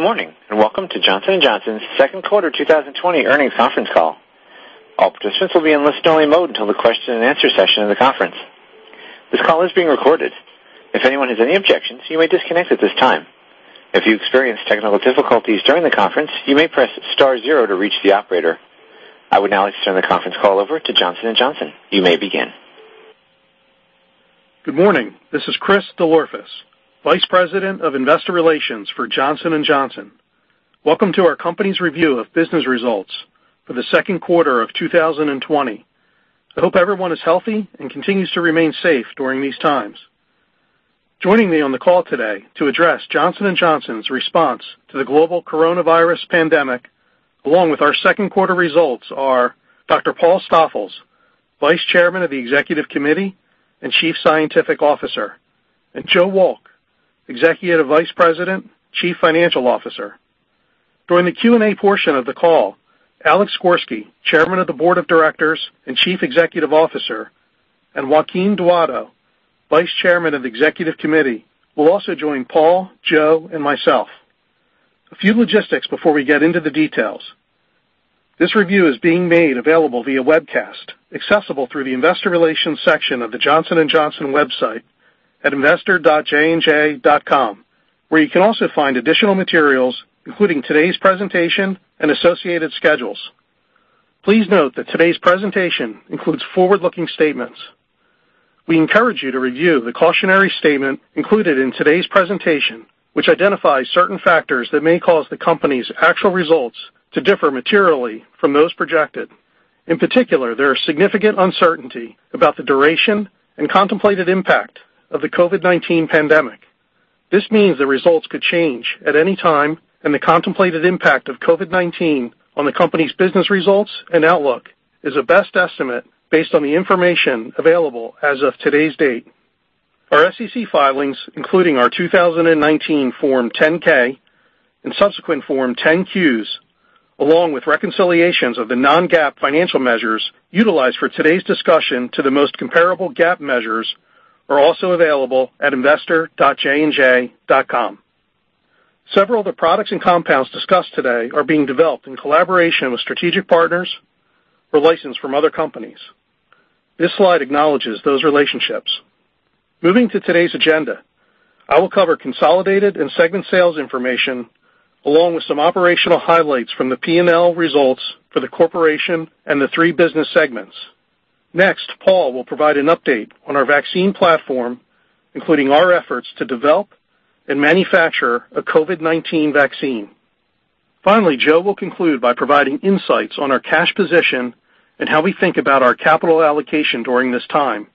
Good morning, welcome to Johnson & Johnson's second quarter 2020 earnings conference call. All participants will be in listen-only mode until the question and answer session of the conference. This call is being recorded. If anyone has any objections, you may disconnect at this time. If you experience technical difficulties during the conference, you may press star zero to reach the operator. I would now like to turn the conference call over to Johnson & Johnson. You may begin. Good morning. This is Chris DelOrefice, Vice President of Investor Relations for Johnson & Johnson. Welcome to our company's review of business results for the second quarter of 2020. I hope everyone is healthy and continues to remain safe during these times. Joining me on the call today to address Johnson & Johnson's response to the global coronavirus pandemic, along with our second quarter results, are Dr. Paul Stoffels, Vice Chairman of the Executive Committee and Chief Scientific Officer, and Joe Wolk, Executive Vice President, Chief Financial Officer. During the Q&A portion of the call, Alex Gorsky, Chairman of the Board of Directors and Chief Executive Officer, and Joaquin Duato, Vice Chairman of the Executive Committee, will also join Paul, Joe, and myself. A few logistics before we get into the details. This review is being made available via webcast, accessible through the investor relations section of the Johnson & Johnson website at investor.jnj.com, where you can also find additional materials, including today's presentation and associated schedules. Please note that today's presentation includes forward-looking statements. We encourage you to review the cautionary statement included in today's presentation, which identifies certain factors that may cause the company's actual results to differ materially from those projected. In particular, there are significant uncertainty about the duration and contemplated impact of the COVID-19 pandemic. This means the results could change at any time. The contemplated impact of COVID-19 on the company's business results and outlook is a best estimate based on the information available as of today's date. Our SEC filings, including our 2019 Form 10-K and subsequent Form 10-Qs, along with reconciliations of the non-GAAP financial measures utilized for today's discussion to the most comparable GAAP measures, are also available at investor.jnj.com. Several of the products and compounds discussed today are being developed in collaboration with strategic partners or licensed from other companies. This slide acknowledges those relationships. Moving to today's agenda, I will cover consolidated and segment sales information along with some operational highlights from the P&L results for the corporation and the three business segments. Next, Paul will provide an update on our vaccine platform, including our efforts to develop and manufacture a COVID-19 vaccine. Finally, Joe will conclude by providing insights on our cash position and how we think about our capital allocation during this time.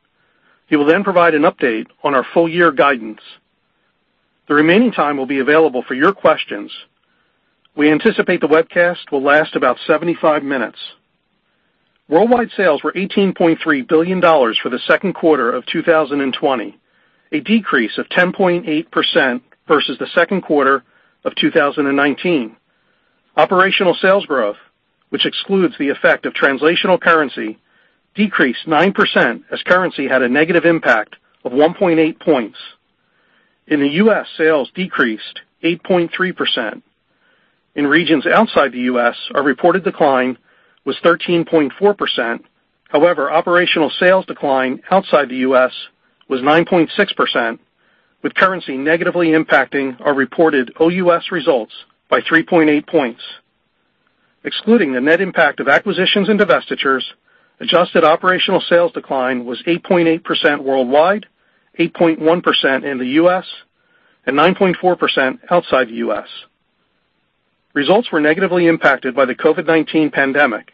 He will then provide an update on our full year guidance. The remaining time will be available for your questions. We anticipate the webcast will last about 75 minutes. Worldwide sales were $18.3 billion for the second quarter of 2020, a decrease of 10.8% versus the second quarter of 2019. Operational sales growth, which excludes the effect of translational currency, decreased 9% as currency had a negative impact of 1.8 points. In the U.S., sales decreased 8.3%. In regions outside the U.S., our reported decline was 13.4%. However, operational sales decline outside the U.S. was 9.6%, with currency negatively impacting our reported OUS results by 3.8 points. Excluding the net impact of acquisitions and divestitures, adjusted operational sales decline was 8.8% worldwide, 8.1% in the U.S., and 9.4% outside the U.S. Results were negatively impacted by the COVID-19 pandemic.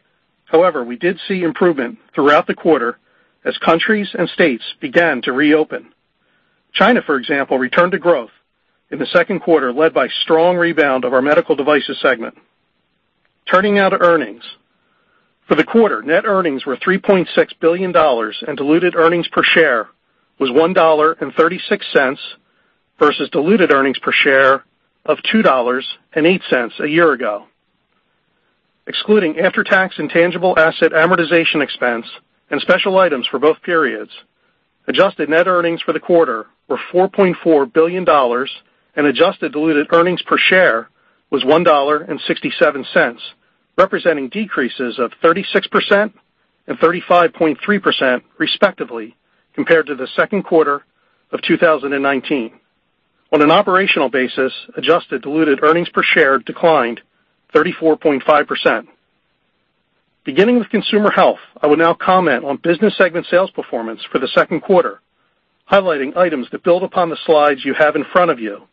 However, we did see improvement throughout the quarter as countries and states began to reopen. China, for example, returned to growth in the second quarter, led by strong rebound of our Medical Devices segment. Turning now to earnings. For the quarter, net earnings were $3.6 billion, and diluted earnings per share was $1.36 versus diluted earnings per share of $2.08 a year ago. Excluding after-tax intangible asset amortization expense and special items for both periods, adjusted net earnings for the quarter were $4.4 billion and adjusted diluted earnings per share was $1.67, representing decreases of 36% and 35.3% respectively, compared to the second quarter of 2019. On an operational basis, adjusted diluted earnings per share declined 34.5%. Beginning with Consumer Health, I will now comment on business segment sales performance for the second quarter, highlighting items that build upon the slides you have in front of you.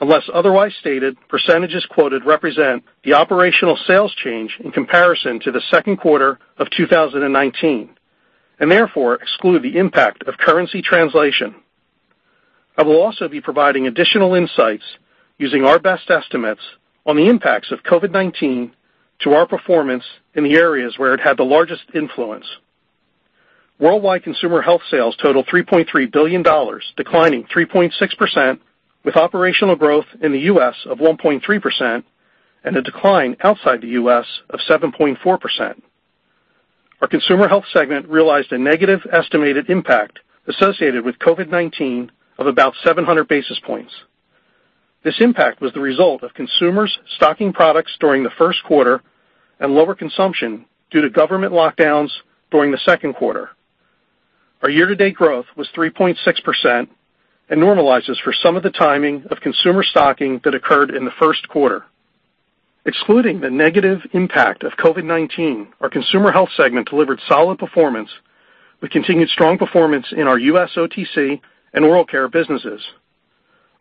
Unless otherwise stated, percentages quoted represent the operational sales change in comparison to the second quarter of 2019, and therefore exclude the impact of currency translation. I will also be providing additional insights using our best estimates on the impacts of COVID-19 to our performance in the areas where it had the largest influence. Worldwide Consumer Health sales totaled $3.3 billion, declining 3.6%, with operational growth in the U.S. of 1.3% and a decline outside the U.S. of 7.4%. Our Consumer Health segment realized a negative estimated impact associated with COVID-19 of about 700 basis points. This impact was the result of consumers stocking products during the first quarter and lower consumption due to government lockdowns during the second quarter. Our year-to-date growth was 3.6% and normalizes for some of the timing of consumer stocking that occurred in the first quarter. Excluding the negative impact of COVID-19, our consumer health segment delivered solid performance with continued strong performance in our U.S. OTC and oral care businesses.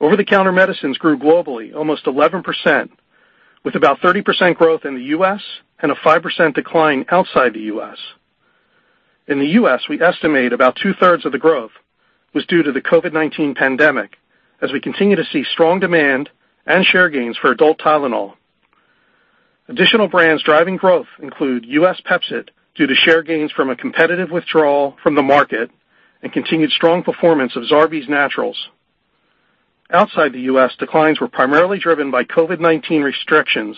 Over-the-counter medicines grew globally almost 11%, with about 30% growth in the U.S. and a 5% decline outside the U.S. In the U.S., we estimate about two-thirds of the growth was due to the COVID-19 pandemic as we continue to see strong demand and share gains for adult TYLENOL. Additional brands driving growth include U.S. PEPCID, due to share gains from a competitive withdrawal from the market and continued strong performance of Zarbee’s Naturals. Outside the U.S., declines were primarily driven by COVID-19 restrictions,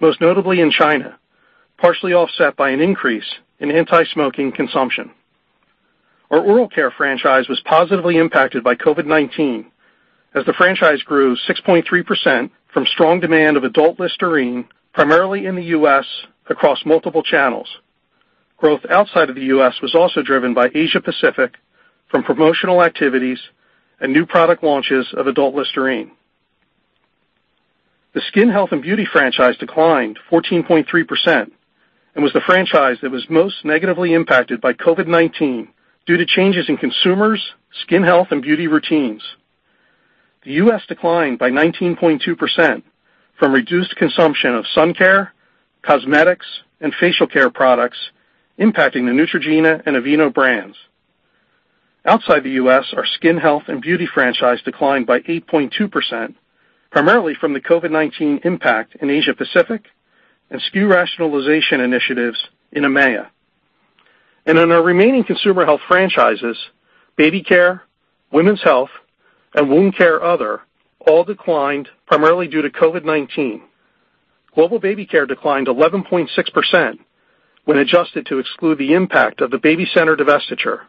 most notably in China, partially offset by an increase in anti-smoking consumption. Our oral care franchise was positively impacted by COVID-19 as the franchise grew 6.3% from strong demand of adult LISTERINE, primarily in the U.S., across multiple channels. Growth outside of the U.S. was also driven by Asia-Pacific from promotional activities and new product launches of adult LISTERINE. The skin health and beauty franchise declined 14.3% and was the franchise that was most negatively impacted by COVID-19 due to changes in consumers' skin health and beauty routines. The U.S. declined by 19.2% from reduced consumption of sun care, cosmetics, and facial care products, impacting the NEUTROGENA and AVEENO brands. Outside the U.S., our skin health and beauty franchise declined by 8.2%, primarily from the COVID-19 impact in Asia-Pacific and SKU rationalization initiatives in EMEA. In our remaining consumer health franchises, baby care, women's health, and wound care other all declined primarily due to COVID-19. Global baby care declined 11.6% when adjusted to exclude the impact of the BabyCenter divestiture.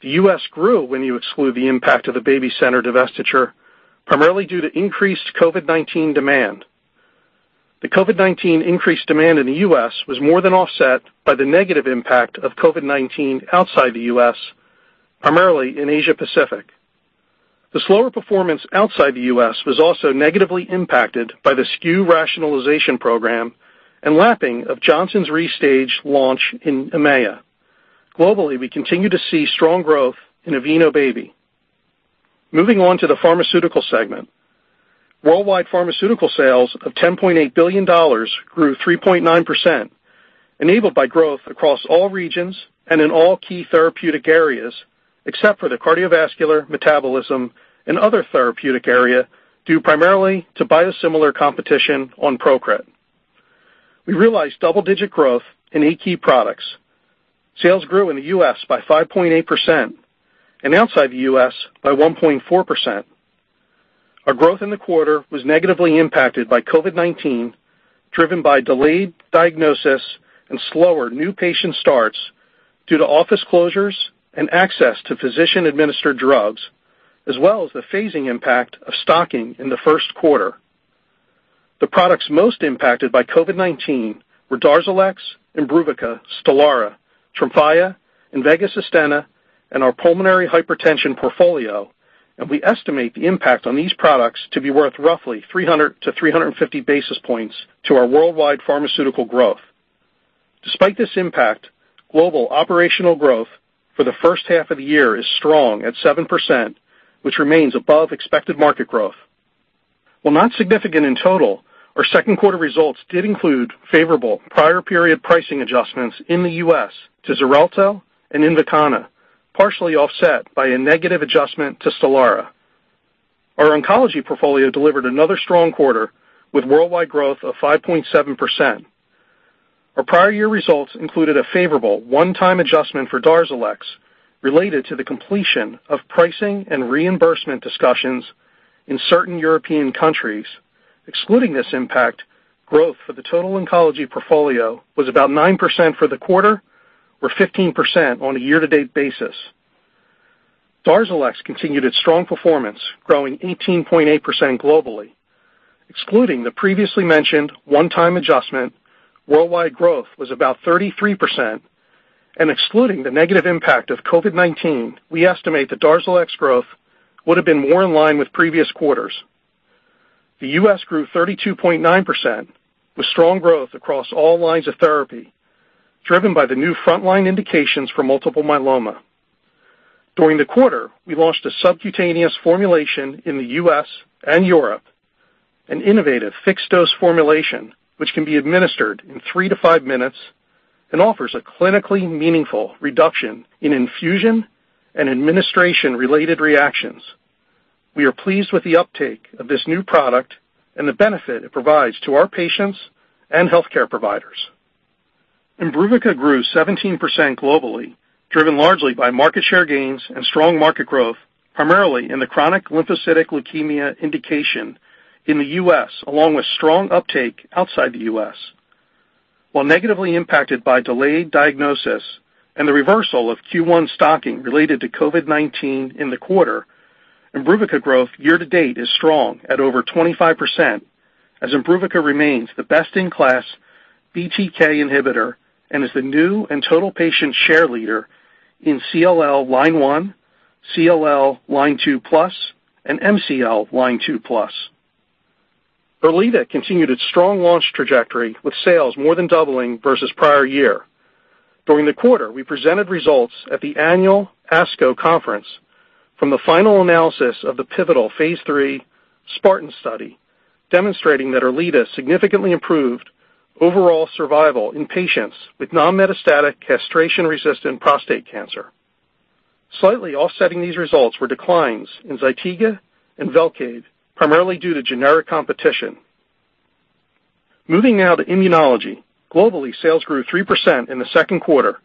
The U.S. grew when you exclude the impact of the BabyCenter divestiture, primarily due to increased COVID-19 demand. The COVID-19 increased demand in the U.S. was more than offset by the negative impact of COVID-19 outside the U.S., primarily in Asia-Pacific. The slower performance outside the U.S. was also negatively impacted by the SKU rationalization program and lapping of Johnson & Johnson's restage launch in EMEA. Globally, we continue to see strong growth in AVEENO Baby. Moving on to the pharmaceutical segment. Worldwide pharmaceutical sales of $10.8 billion grew 3.9%, enabled by growth across all regions and in all key therapeutic areas, except for the cardiovascular, metabolism, and other therapeutic area, due primarily to biosimilar competition on PROCRIT. We realized double-digit growth in eight key products. Sales grew in the U.S. by 5.8% and outside the U.S. by 1.4%. Our growth in the quarter was negatively impacted by COVID-19, driven by delayed diagnosis and slower new patient starts due to office closures and access to physician-administered drugs, as well as the phasing impact of stocking in the first quarter. The products most impacted by COVID-19 were DARZALEX, IMBRUVICA, STELARA, TREMFYA, INVEGA SUSTENNA, and our pulmonary hypertension portfolio, and we estimate the impact on these products to be worth roughly 300 to 350 basis points to our worldwide pharmaceutical growth. Despite this impact, global operational growth for the first half of the year is strong at 7%, which remains above expected market growth. While not significant in total, our second quarter results did include favorable prior period pricing adjustments in the U.S. to XARELTO and INVOKANA, partially offset by a negative adjustment to STELARA. Our oncology portfolio delivered another strong quarter with worldwide growth of 5.7%. Our prior year results included a favorable one-time adjustment for DARZALEX related to the completion of pricing and reimbursement discussions in certain European countries. Excluding this impact, growth for the total oncology portfolio was about 9% for the quarter or 15% on a year-to-date basis. DARZALEX continued its strong performance, growing 18.8% globally. Excluding the previously mentioned one-time adjustment, worldwide growth was about 33%. Excluding the negative impact of COVID-19, we estimate the DARZALEX growth would have been more in line with previous quarters. The U.S. grew 32.9% with strong growth across all lines of therapy, driven by the new frontline indications for multiple myeloma. During the quarter, we launched a subcutaneous formulation in the U.S. and Europe, an innovative fixed-dose formulation which can be administered in three to five minutes and offers a clinically meaningful reduction in infusion and administration-related reactions. We are pleased with the uptake of this new product and the benefit it provides to our patients and healthcare providers. IMBRUVICA grew 17% globally. Driven largely by market share gains and strong market growth, primarily in the chronic lymphocytic leukemia indication in the U.S., along with strong uptake outside the U.S. While negatively impacted by delayed diagnosis and the reversal of Q1 stocking related to COVID-19 in the quarter, IMBRUVICA growth year to date is strong at over 25%, as IMBRUVICA remains the best-in-class BTK inhibitor, and is the new and total patient share leader in CLL line 1, CLL line 2 plus, and MCL line 2 plus. ERLEADA continued its strong launch trajectory with sales more than doubling versus prior year. During the quarter, we presented results at the annual ASCO conference from the final analysis of the pivotal phase III SPARTAN study, demonstrating that ERLEADA significantly improved overall survival in patients with non-metastatic castration-resistant prostate cancer. Slightly offsetting these results were declines in ZYTIGA and VELCADE, primarily due to generic competition. Moving now to immunology. Globally, sales grew 3% in the second quarter,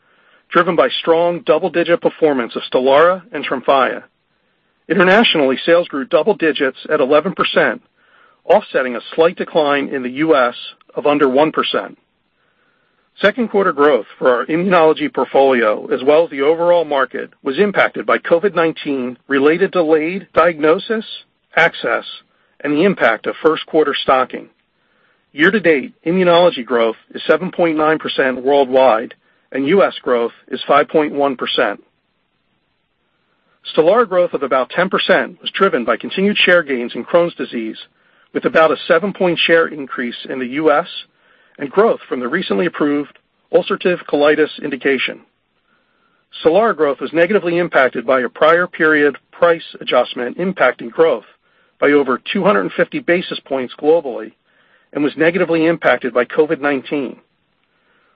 driven by strong double-digit performance of STELARA and TREMFYA. Internationally, sales grew double digits at 11%, offsetting a slight decline in the U.S. of under 1%. Second quarter growth for our immunology portfolio, as well as the overall market, was impacted by COVID-19 related delayed diagnosis, access, and the impact of first quarter stocking. Year to date, immunology growth is 7.9% worldwide and U.S. growth is 5.1%. STELARA growth of about 10% was driven by continued share gains in Crohn's disease, with about a seven-point share increase in the U.S. and growth from the recently approved ulcerative colitis indication. STELARA growth was negatively impacted by a prior period price adjustment impacting growth by over 250 basis points globally, was negatively impacted by COVID-19.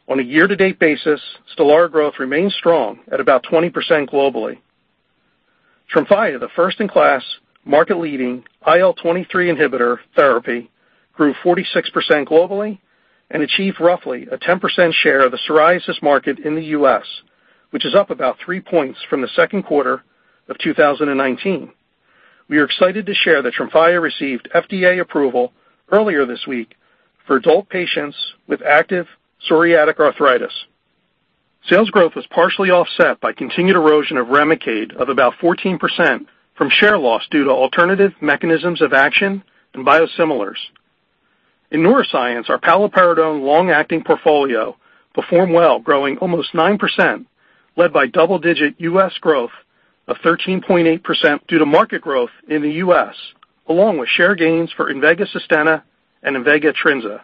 On a year-to-date basis, STELARA growth remains strong at about 20% globally. TREMFYA, the first in class market leading IL-23 inhibitor therapy, grew 46% globally and achieved roughly a 10% share of the psoriasis market in the U.S., which is up about three points from the second quarter of 2019. We are excited to share that TREMFYA received FDA approval earlier this week for adult patients with active psoriatic arthritis. Sales growth was partially offset by continued erosion of REMICADE of about 14% from share loss due to alternative mechanisms of action and biosimilars. In Neuroscience, our paliperidone long-acting portfolio performed well, growing almost 9%, led by double-digit U.S. growth of 13.8% due to market growth in the U.S., along with share gains for INVEGA SUSTENNA and INVEGA TRINZA.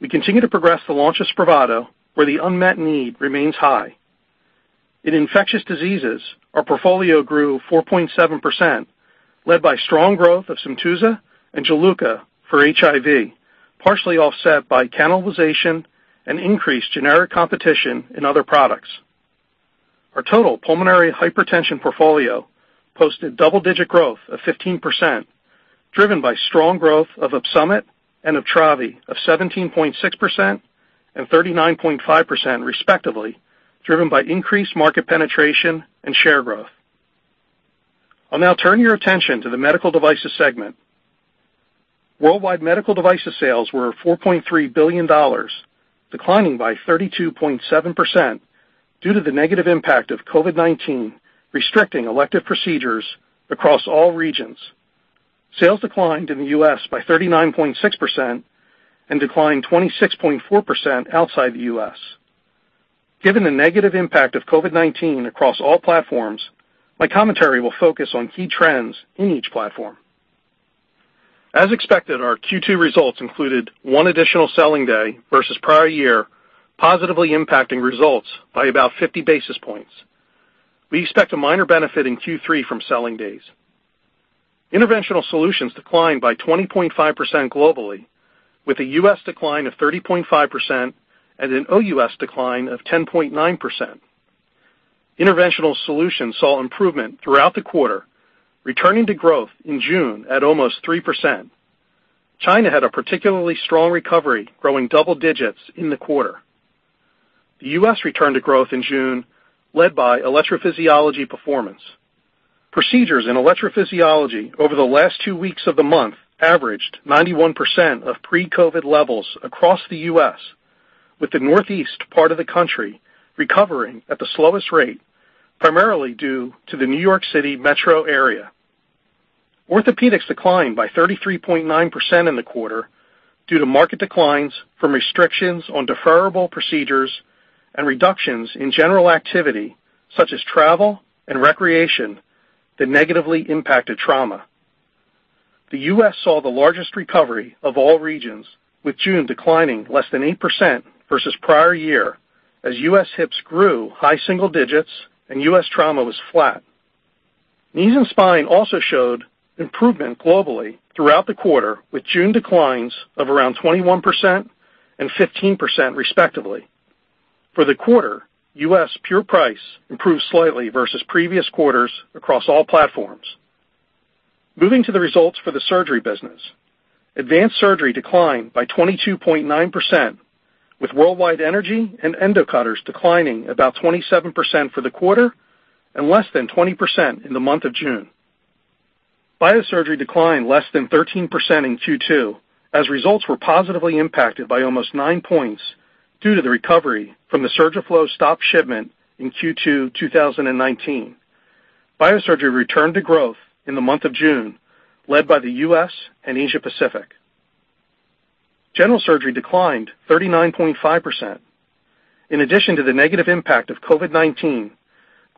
We continue to progress the launch of SPRAVATO, where the unmet need remains high. In infectious diseases, our portfolio grew 4.7%, led by strong growth of SYMTUZA and GILEAD for HIV, partially offset by cannibalization and increased generic competition in other products. Our total pulmonary hypertension portfolio posted double-digit growth of 15%, driven by strong growth of OPSUMIT and UPTRAVI of 17.6% and 39.5%, respectively, driven by increased market penetration and share growth. I'll now turn your attention to the medical devices segment. Worldwide Medical Devices sales were $4.3 billion, declining by 32.7% due to the negative impact of COVID-19 restricting elective procedures across all regions. Sales declined in the U.S. by 39.6% and declined 26.4% outside the U.S. Given the negative impact of COVID-19 across all platforms, my commentary will focus on key trends in each platform. As expected, our Q2 results included one additional selling day versus prior year, positively impacting results by about 50 basis points. We expect a minor benefit in Q3 from selling days. Interventional Solutions declined by 20.5% globally with a U.S. decline of 30.5% and an OUS decline of 10.9%. Interventional Solutions saw improvement throughout the quarter, returning to growth in June at almost 3%. China had a particularly strong recovery, growing double digits in the quarter. The U.S. returned to growth in June, led by electrophysiology performance. Procedures in electrophysiology over the last two weeks of the month averaged 91% of pre-COVID levels across the U.S., with the Northeast part of the country recovering at the slowest rate, primarily due to the New York City metro area. Orthopedics declined by 33.9% in the quarter due to market declines from restrictions on deferrable procedures and reductions in general activity such as travel and recreation that negatively impacted trauma. The U.S. saw the largest recovery of all regions, with June declining less than 8% versus prior year, as U.S. hips grew high single digits and U.S. trauma was flat. Knees and spine also showed improvement globally throughout the quarter, with June declines of around 21% and 15%, respectively. For the quarter, U.S. pure price improved slightly versus previous quarters across all platforms. Moving to the results for the surgery business. Advanced surgery declined by 22.9%, with worldwide energy and endocutters declining about 27% for the quarter and less than 20% in the month of June. Biosurgery declined less than 13% in Q2 as results were positively impacted by almost 9 points due to the recovery from the SURGICEL stop shipment in Q2 2019. Biosurgery returned to growth in the month of June, led by the U.S. and Asia Pacific. General surgery declined 39.5%. In addition to the negative impact of COVID-19,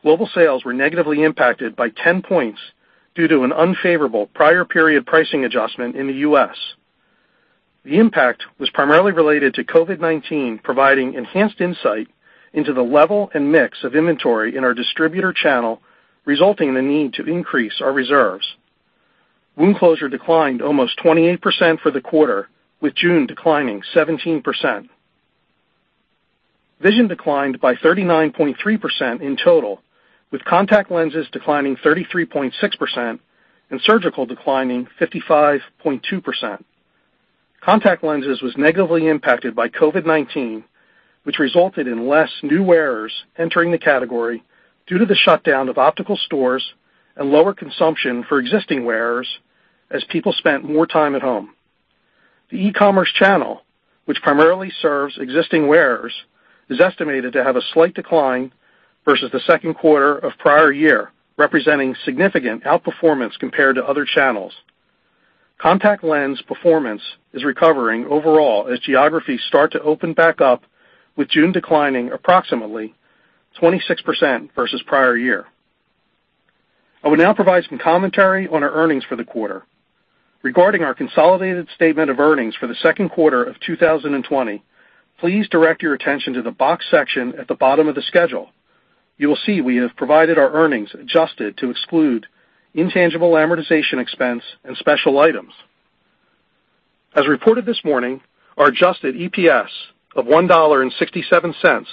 global sales were negatively impacted by 10 points due to an unfavorable prior period pricing adjustment in the U.S. The impact was primarily related to COVID-19 providing enhanced insight into the level and mix of inventory in our distributor channel, resulting in the need to increase our reserves. Wound closure declined almost 28% for the quarter, with June declining 17%. Vision declined by 39.3% in total, with contact lenses declining 33.6% and surgical declining 55.2%. Contact lenses was negatively impacted by COVID-19, which resulted in less new wearers entering the category due to the shutdown of optical stores and lower consumption for existing wearers as people spent more time at home. The e-commerce channel, which primarily serves existing wearers, is estimated to have a slight decline versus the second quarter of prior year, representing significant outperformance compared to other channels. Contact lens performance is recovering overall as geographies start to open back up, with June declining approximately 26% versus prior year. I will now provide some commentary on our earnings for the quarter. Regarding our consolidated statement of earnings for the second quarter of 2020, please direct your attention to the boxed section at the bottom of the schedule. You will see we have provided our earnings adjusted to exclude intangible amortization expense and special items. As reported this morning, our adjusted EPS of $1.67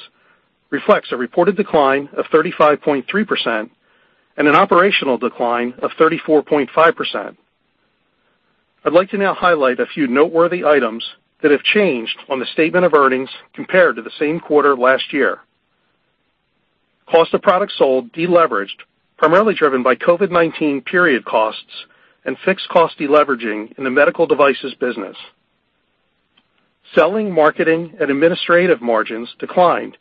reflects a reported decline of 35.3% and an operational decline of 34.5%. I'd like to now highlight a few noteworthy items that have changed on the statement of earnings compared to the same quarter last year. Cost of products sold deleveraged, primarily driven by COVID-19 period costs and fixed cost deleveraging in the medical devices business. Selling, marketing, and administrative margins declined,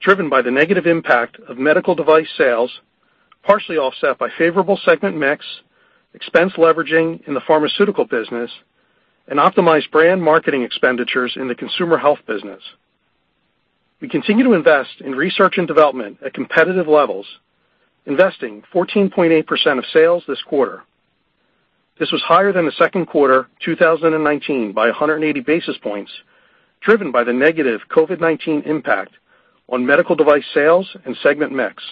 driven by the negative impact of medical device sales, partially offset by favorable segment mix, expense leveraging in the pharmaceutical business, and optimized brand marketing expenditures in the consumer health business. We continue to invest in research and development at competitive levels, investing 14.8% of sales this quarter. This was higher than the second quarter 2019 by 180 basis points, driven by the negative COVID-19 impact on medical device sales and segment mix.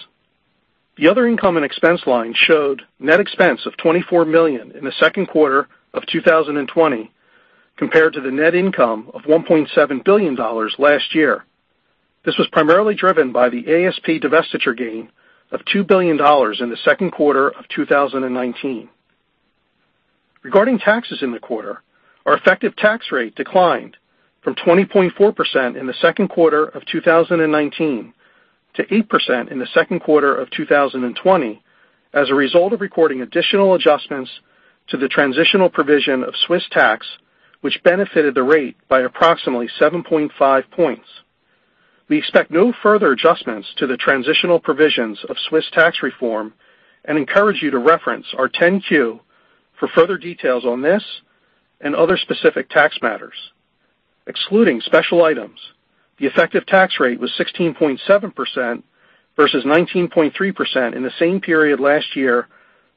The other income and expense line showed net expense of $24 million in the second quarter of 2020 compared to the net income of $1.7 billion last year. This was primarily driven by the ASP divestiture gain of $2 billion in the second quarter of 2019. Regarding taxes in the quarter, our effective tax rate declined from 20.4% in the second quarter of 2019 to 8% in the second quarter of 2020 as a result of recording additional adjustments to the transitional provision of Swiss tax, which benefited the rate by approximately 7.5 points. We expect no further adjustments to the transitional provisions of Swiss tax reform and encourage you to reference our 10-Q for further details on this and other specific tax matters. Excluding special items, the effective tax rate was 16.7% versus 19.3% in the same period last year,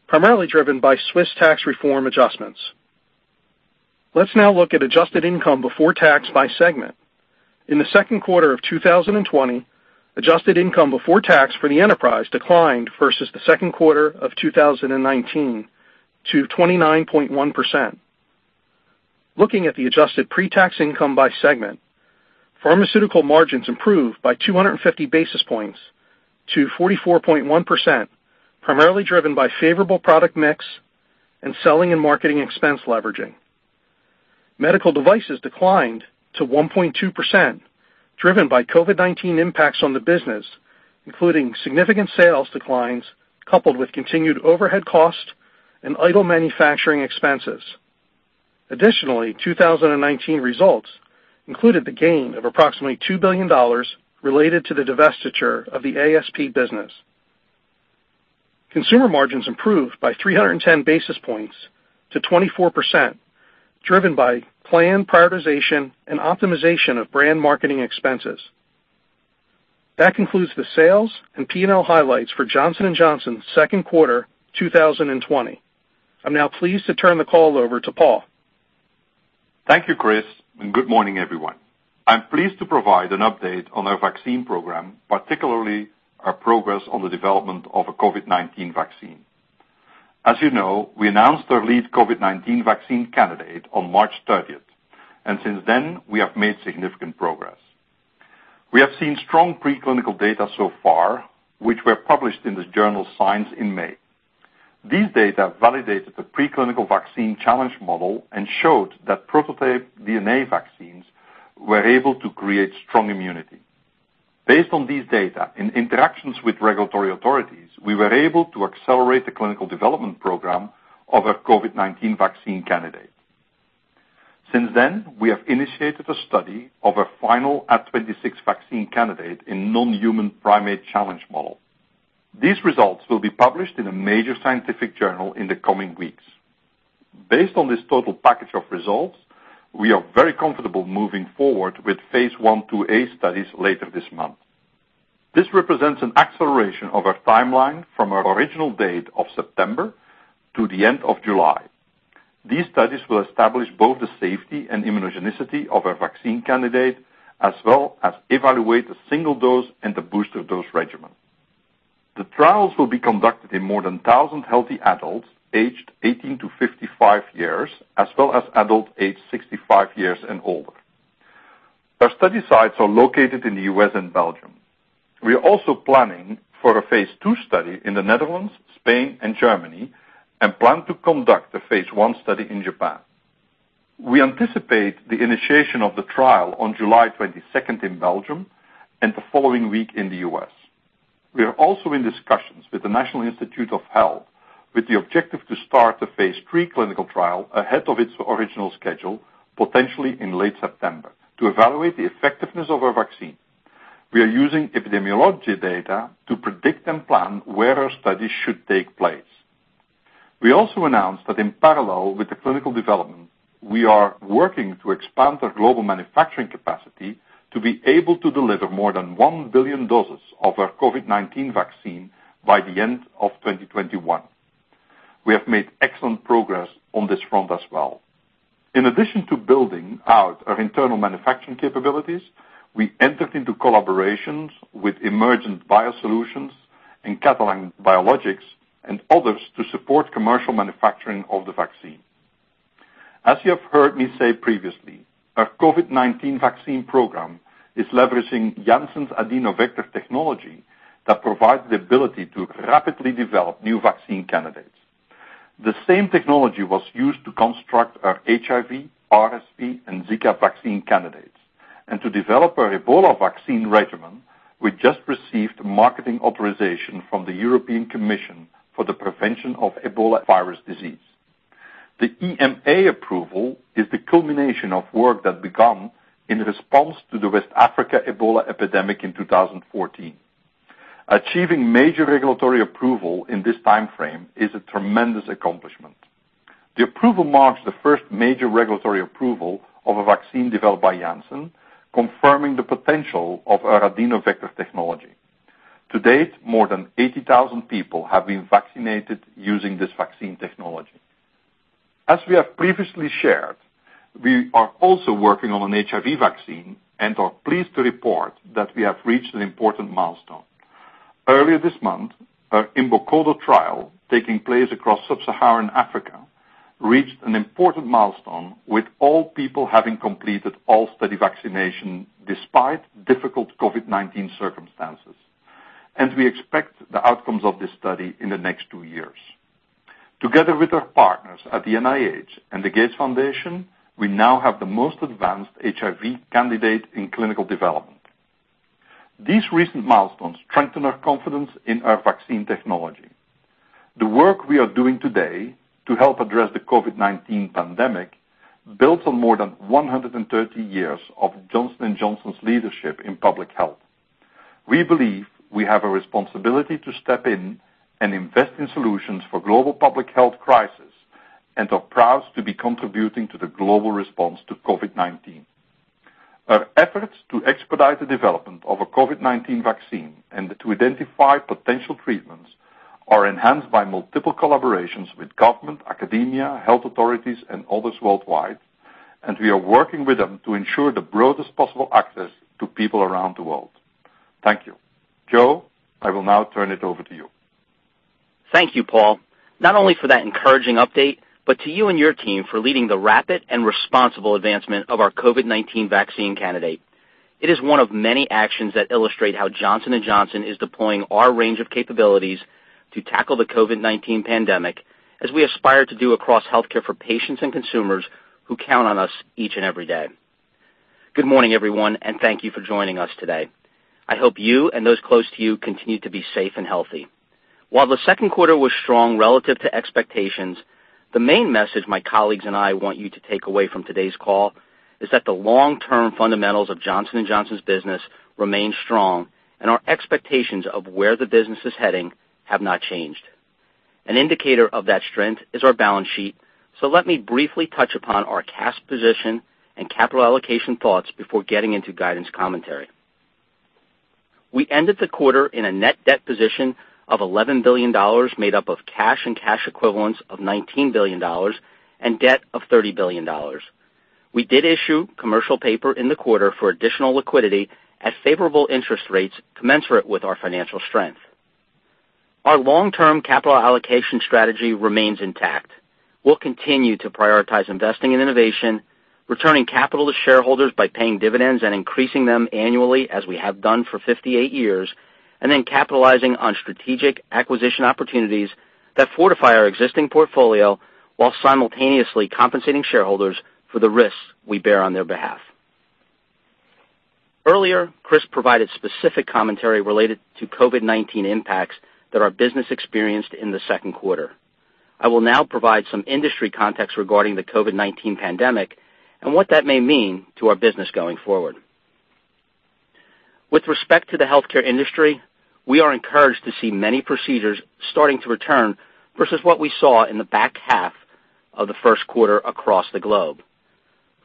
primarily driven by Swiss tax reform adjustments. Let's now look at adjusted income before tax by segment. In the second quarter of 2020, adjusted income before tax for the enterprise declined versus the second quarter of 2019 to 29.1%. Looking at the adjusted pre-tax income by segment, pharmaceutical margins improved by 250 basis points to 44.1%, primarily driven by favorable product mix and selling and marketing expense leveraging. Medical devices declined to 1.2%, driven by COVID-19 impacts on the business, including significant sales declines coupled with continued overhead costs and idle manufacturing expenses. Additionally, 2019 results included the gain of approximately $2 billion related to the divestiture of the ASP business. Consumer margins improved by 310 basis points to 24%, driven by plan prioritization and optimization of brand marketing expenses. That concludes the sales and P&L highlights for Johnson & Johnson's second quarter 2020. I'm now pleased to turn the call over to Paul. Thank you, Chris, and good morning, everyone. I'm pleased to provide an update on our vaccine program, particularly our progress on the development of a COVID-19 vaccine. As you know, we announced our lead COVID-19 vaccine candidate on March 30th, and since then, we have made significant progress. We have seen strong preclinical data so far, which were published in the journal Science in May. These data validated the preclinical vaccine challenge model and showed that prototype DNA vaccines were able to create strong immunity. Based on these data and interactions with regulatory authorities, we were able to accelerate the clinical development program of a COVID-19 vaccine candidate. Since then, we have initiated a study of a final Ad26 vaccine candidate in non-human primate challenge model. These results will be published in a major scientific journal in the coming weeks. Based on this total package of results, we are very comfortable moving forward with phase I/II-A studies later this month. This represents an acceleration of our timeline from our original date of September to the end of July. These studies will establish both the safety and immunogenicity of our vaccine candidate, as well as evaluate the single dose and the booster dose regimen. The trials will be conducted in more than 1,000 healthy adults aged 18 to 55 years, as well as adults aged 65 years and older. Our study sites are located in the U.S. and Belgium. We are also planning for a phase II study in the Netherlands, Spain, and Germany, plan to conduct a phase I study in Japan. We anticipate the initiation of the trial on July 22 in Belgium and the following week in the U.S. We are also in discussions with the National Institutes of Health with the objective to start the phase III clinical trial ahead of its original schedule, potentially in late September, to evaluate the effectiveness of our vaccine. We are using epidemiology data to predict and plan where our studies should take place. We also announced that in parallel with the clinical development, we are working to expand our global manufacturing capacity to be able to deliver more than 1 billion doses of our COVID-19 vaccine by the end of 2021. We have made excellent progress on this front as well. In addition to building out our internal manufacturing capabilities, we entered into collaborations with Emergent BioSolutions and Catalent Biologics and others to support commercial manufacturing of the vaccine. As you have heard me say previously, our COVID-19 vaccine program is leveraging Janssen's AdVac technology that provides the ability to rapidly develop new vaccine candidates. The same technology was used to construct our HIV, RSV, and Zika vaccine candidates, and to develop our Ebola vaccine regimen, we just received marketing authorization from the European Commission for the prevention of Ebola virus disease. The EMA approval is the culmination of work that began in response to the West Africa Ebola epidemic in 2014. Achieving major regulatory approval in this timeframe is a tremendous accomplishment. The approval marks the first major regulatory approval of a vaccine developed by Janssen, confirming the potential of our AdVac technology. To date, more than 80,000 people have been vaccinated using this vaccine technology. As we have previously shared, we are also working on an HIV vaccine and are pleased to report that we have reached an important milestone. Earlier this month, our Imbokodo trial, taking place across sub-Saharan Africa, reached an important milestone with all people having completed all study vaccination despite difficult COVID-19 circumstances. We expect the outcomes of this study in the next two years. Together with our partners at the NIH and the Gates Foundation, we now have the most advanced HIV candidate in clinical development. These recent milestones strengthen our confidence in our vaccine technology. The work we are doing today to help address the COVID-19 pandemic builds on more than 130 years of Johnson & Johnson's leadership in public health. We believe we have a responsibility to step in and invest in solutions for global public health crisis and are proud to be contributing to the global response to COVID-19. Our efforts to expedite the development of a COVID-19 vaccine and to identify potential treatments are enhanced by multiple collaborations with government, academia, health authorities, and others worldwide, and we are working with them to ensure the broadest possible access to people around the world. Thank you. Joe, I will now turn it over to you. Thank you, Paul, not only for that encouraging update, but to you and your team for leading the rapid and responsible advancement of our COVID-19 vaccine candidate. It is one of many actions that illustrate how Johnson & Johnson is deploying our range of capabilities to tackle the COVID-19 pandemic, as we aspire to do across healthcare for patients and consumers who count on us each and every day. Good morning, everyone, thank you for joining us today. I hope you and those close to you continue to be safe and healthy. While the second quarter was strong relative to expectations, the main message my colleagues and I want you to take away from today's call is that the long-term fundamentals of Johnson & Johnson's business remain strong, our expectations of where the business is heading have not changed. An indicator of that strength is our balance sheet, so let me briefly touch upon our cash position and capital allocation thoughts before getting into guidance commentary. We ended the quarter in a net debt position of $11 billion, made up of cash and cash equivalents of $19 billion and debt of $30 billion. We did issue commercial paper in the quarter for additional liquidity at favorable interest rates commensurate with our financial strength. Our long-term capital allocation strategy remains intact. We'll continue to prioritize investing in innovation, returning capital to shareholders by paying dividends and increasing them annually as we have done for 58 years, and then capitalizing on strategic acquisition opportunities that fortify our existing portfolio while simultaneously compensating shareholders for the risks we bear on their behalf. Earlier, Chris provided specific commentary related to COVID-19 impacts that our business experienced in the second quarter. I will now provide some industry context regarding the COVID-19 pandemic and what that may mean to our business going forward. With respect to the healthcare industry, we are encouraged to see many procedures starting to return versus what we saw in the back half of the first quarter across the globe.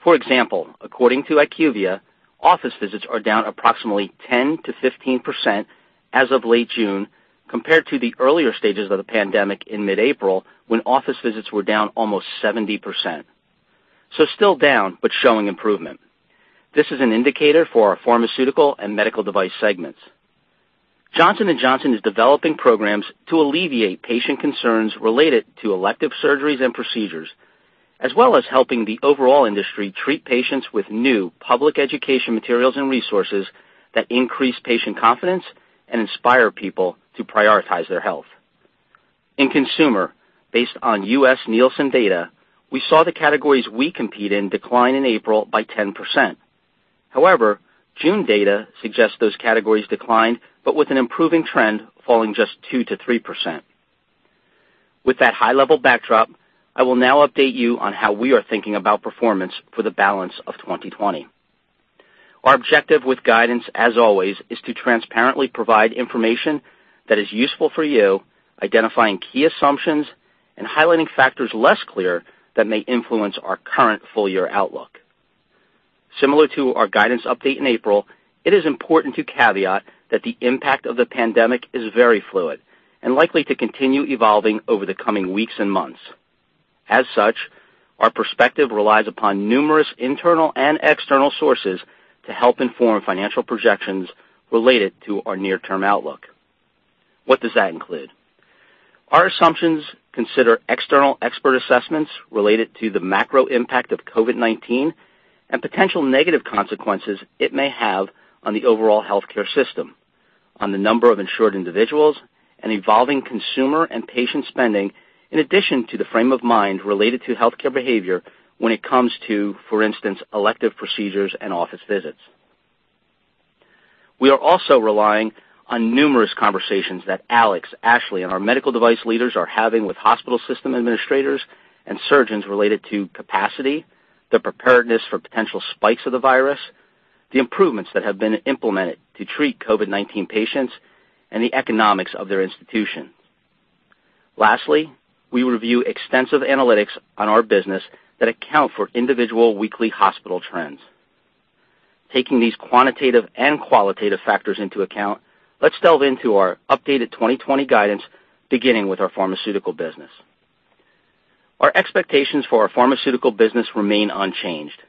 For example, according to IQVIA, office visits are down approximately 10%-15% as of late June, compared to the earlier stages of the pandemic in mid-April, when office visits were down almost 70%. Still down, but showing improvement. This is an indicator for our pharmaceutical and medical device segments. Johnson & Johnson is developing programs to alleviate patient concerns related to elective surgeries and procedures, as well as helping the overall industry treat patients with new public education materials and resources that increase patient confidence and inspire people to prioritize their health. In consumer, based on U.S. Nielsen data, we saw the categories we compete in decline in April by 10%. However, June data suggests those categories declined, but with an improving trend falling just 2%-3%. With that high level backdrop, I will now update you on how we are thinking about performance for the balance of 2020. Our objective with guidance, as always, is to transparently provide information that is useful for you, identifying key assumptions and highlighting factors less clear that may influence our current full-year outlook. Similar to our guidance update in April, it is important to caveat that the impact of the pandemic is very fluid and likely to continue evolving over the coming weeks and months. As such, our perspective relies upon numerous internal and external sources to help inform financial projections related to our near-term outlook. What does that include? Our assumptions consider external expert assessments related to the macro impact of COVID-19 and potential negative consequences it may have on the overall healthcare system, on the number of insured individuals, and evolving consumer and patient spending, in addition to the frame of mind related to healthcare behavior when it comes to, for instance, elective procedures and office visits. We are also relying on numerous conversations that Alex, Ashley, and our medical device leaders are having with hospital system administrators and surgeons related to capacity, the preparedness for potential spikes of the virus, the improvements that have been implemented to treat COVID-19 patients, and the economics of their institution. Lastly, we review extensive analytics on our business that account for individual weekly hospital trends. Taking these quantitative and qualitative factors into account, let's delve into our updated 2020 guidance, beginning with our pharmaceutical business. Our expectations for our pharmaceutical business remain unchanged.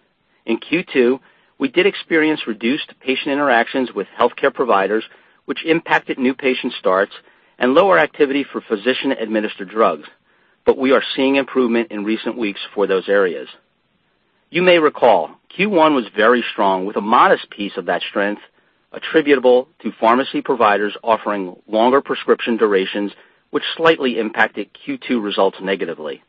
In Q2, we did experience reduced patient interactions with healthcare providers, which impacted new patient starts and lower activity for physician-administered drugs. We are seeing improvement in recent weeks for those areas. You may recall, Q1 was very strong with a modest piece of that strength attributable to pharmacy providers offering longer prescription durations, which slightly impacted Q2 results negatively.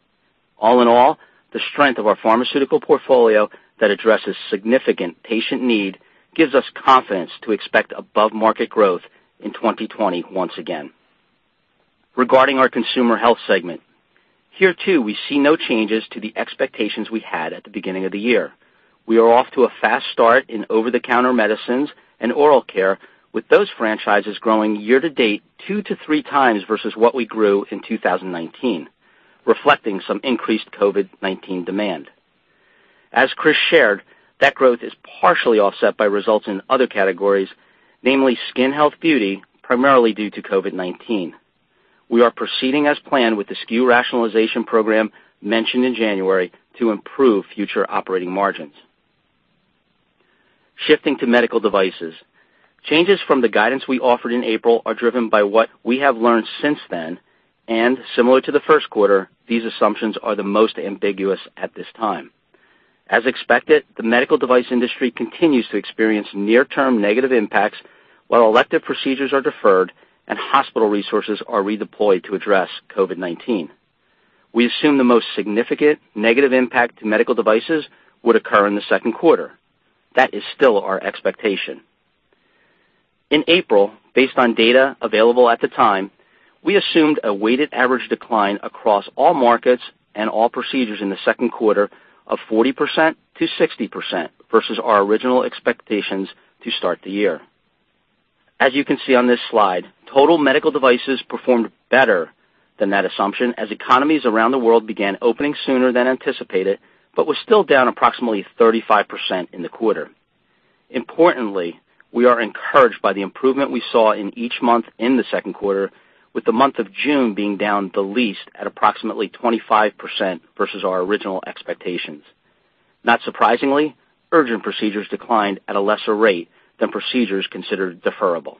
All in all, the strength of our pharmaceutical portfolio that addresses significant patient need gives us confidence to expect above-market growth in 2020 once again. Regarding our consumer health segment, here too, we see no changes to the expectations we had at the beginning of the year. We are off to a fast start in over-the-counter medicines and oral care, with those franchises growing year to date two to three times versus what we grew in 2019, reflecting some increased COVID-19 demand. As Chris shared, that growth is partially offset by results in other categories, namely skin health beauty, primarily due to COVID-19. We are proceeding as planned with the SKU rationalization program mentioned in January to improve future operating margins. Shifting to medical devices. Changes from the guidance we offered in April are driven by what we have learned since then, and similar to the first quarter, these assumptions are the most ambiguous at this time. As expected, the medical device industry continues to experience near-term negative impacts while elective procedures are deferred and hospital resources are redeployed to address COVID-19. We assume the most significant negative impact to medical devices would occur in the second quarter. That is still our expectation. In April, based on data available at the time, we assumed a weighted average decline across all markets and all procedures in the second quarter of 40%-60% versus our original expectations to start the year. As you can see on this slide, total medical devices performed better than that assumption as economies around the world began opening sooner than anticipated, but was still down approximately 35% in the quarter. Importantly, we are encouraged by the improvement we saw in each month in the second quarter, with the month of June being down the least at approximately 25% versus our original expectations. Not surprisingly, urgent procedures declined at a lesser rate than procedures considered deferrable.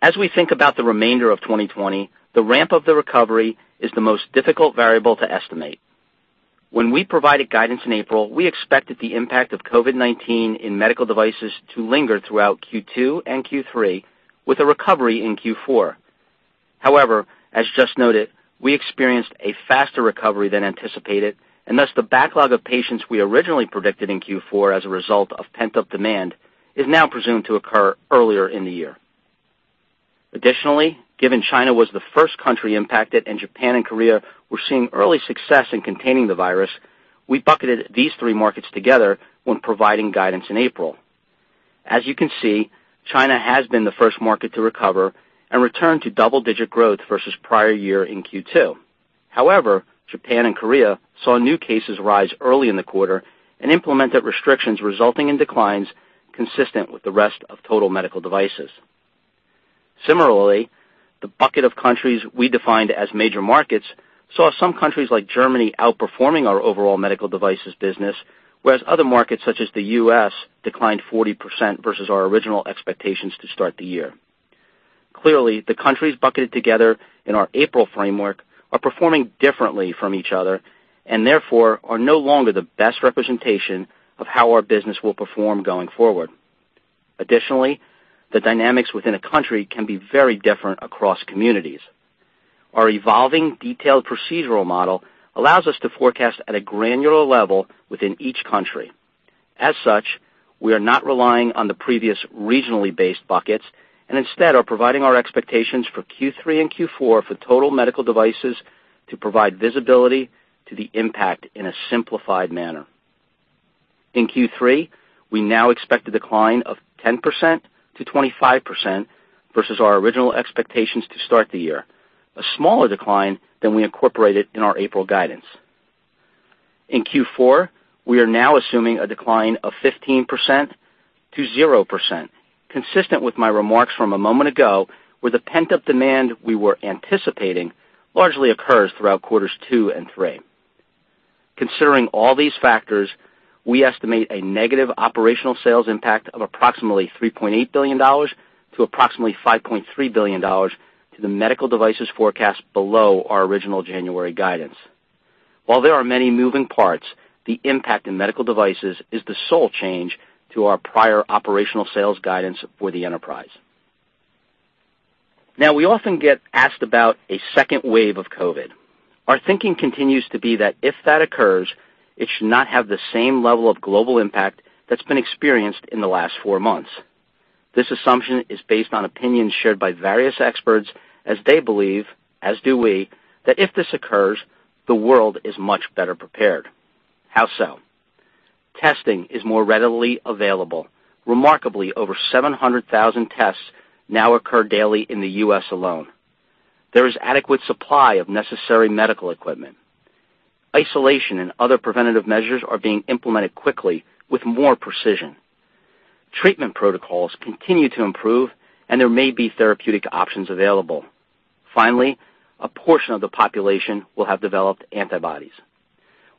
As we think about the remainder of 2020, the ramp of the recovery is the most difficult variable to estimate. When we provided guidance in April, we expected the impact of COVID-19 in medical devices to linger throughout Q2 and Q3, with a recovery in Q4. However, as just noted, we experienced a faster recovery than anticipated, and thus the backlog of patients we originally predicted in Q4 as a result of pent-up demand is now presumed to occur earlier in the year. Additionally, given China was the first country impacted and Japan and Korea were seeing early success in containing the virus, we bucketed these three markets together when providing guidance in April. As you can see, China has been the first market to recover and return to double-digit growth versus prior year in Q2. Japan and Korea saw new cases rise early in the quarter and implemented restrictions resulting in declines consistent with the rest of total medical devices. The bucket of countries we defined as major markets saw some countries like Germany outperforming our overall medical devices business, whereas other markets such as the U.S. declined 40% versus our original expectations to start the year. The countries bucketed together in our April framework are performing differently from each other and therefore are no longer the best representation of how our business will perform going forward. The dynamics within a country can be very different across communities. Our evolving detailed procedural model allows us to forecast at a granular level within each country. As such, we are not relying on the previous regionally based buckets and instead are providing our expectations for Q3 and Q4 for total Medical Devices to provide visibility to the impact in a simplified manner. In Q3, we now expect a decline of 10%-25% versus our original expectations to start the year, a smaller decline than we incorporated in our April guidance. In Q4, we are now assuming a decline of 15%-0%, consistent with my remarks from a moment ago, where the pent-up demand we were anticipating largely occurs throughout quarters two and three. Considering all these factors, we estimate a negative operational sales impact of approximately $3.8 billion-approximately $5.3 billion to the Medical Devices forecast below our original January guidance. While there are many moving parts, the impact in medical devices is the sole change to our prior operational sales guidance for the enterprise. We often get asked about a second wave of COVID-19. Our thinking continues to be that if that occurs, it should not have the same level of global impact that's been experienced in the last four months. This assumption is based on opinions shared by various experts, as they believe, as do we, that if this occurs, the world is much better prepared. How so? Testing is more readily available. Remarkably, over 700,000 tests now occur daily in the U.S. alone. There is adequate supply of necessary medical equipment. Isolation and other preventative measures are being implemented quickly with more precision. Treatment protocols continue to improve, and there may be therapeutic options available. Finally, a portion of the population will have developed antibodies.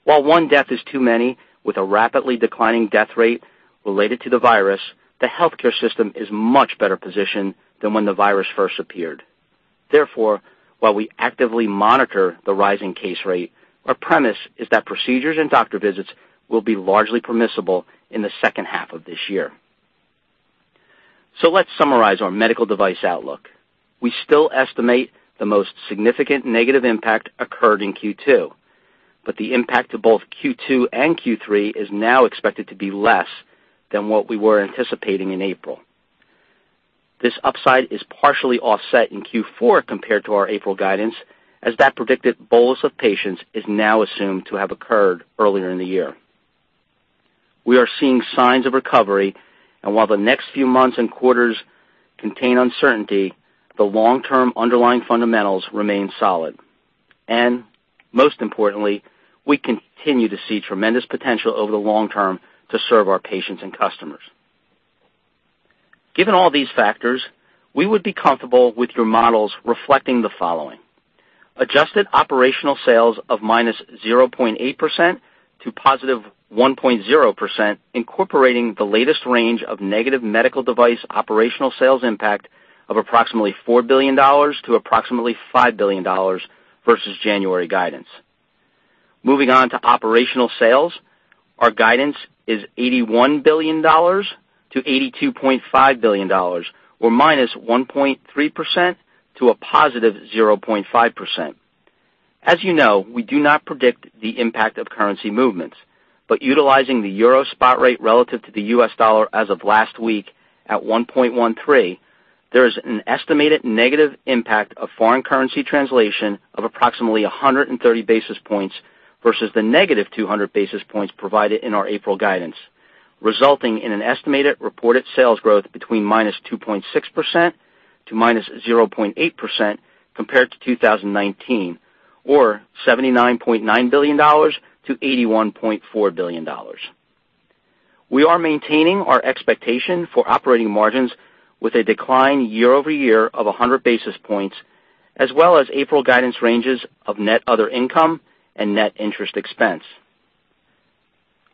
While one death is too many, with a rapidly declining death rate related to the virus, the healthcare system is much better positioned than when the virus first appeared. Therefore, while we actively monitor the rising case rate, our premise is that procedures and doctor visits will be largely permissible in the second half of this year. Let's summarize our medical device outlook. We still estimate the most significant negative impact occurred in Q2, but the impact to both Q2 and Q3 is now expected to be less than what we were anticipating in April. This upside is partially offset in Q4 compared to our April guidance, as that predicted bolus of patients is now assumed to have occurred earlier in the year. We are seeing signs of recovery, and while the next few months and quarters contain uncertainty, the long-term underlying fundamentals remain solid. Most importantly, we continue to see tremendous potential over the long term to serve our patients and customers. Given all these factors, we would be comfortable with your models reflecting the following. Adjusted operational sales of -0.8% to +1.0%, incorporating the latest range of negative medical device operational sales impact of approximately $4 billion-$5 billion versus January guidance. Moving on to operational sales, our guidance is $81 billion-$82.5 billion, or -1.3% to +0.5%. As you know, we do not predict the impact of currency movements. Utilizing the EUR spot rate relative to the U.S. dollar as of last week at 1.13, there is an estimated negative impact of foreign currency translation of approximately 130 basis points versus the negative 200 basis points provided in our April guidance, resulting in an estimated reported sales growth between -2.6% to -0.8% compared to 2019, or $79.9 billion-$81.4 billion. We are maintaining our expectation for operating margins with a decline year-over-year of 100 basis points, as well as April guidance ranges of net other income and net interest expense.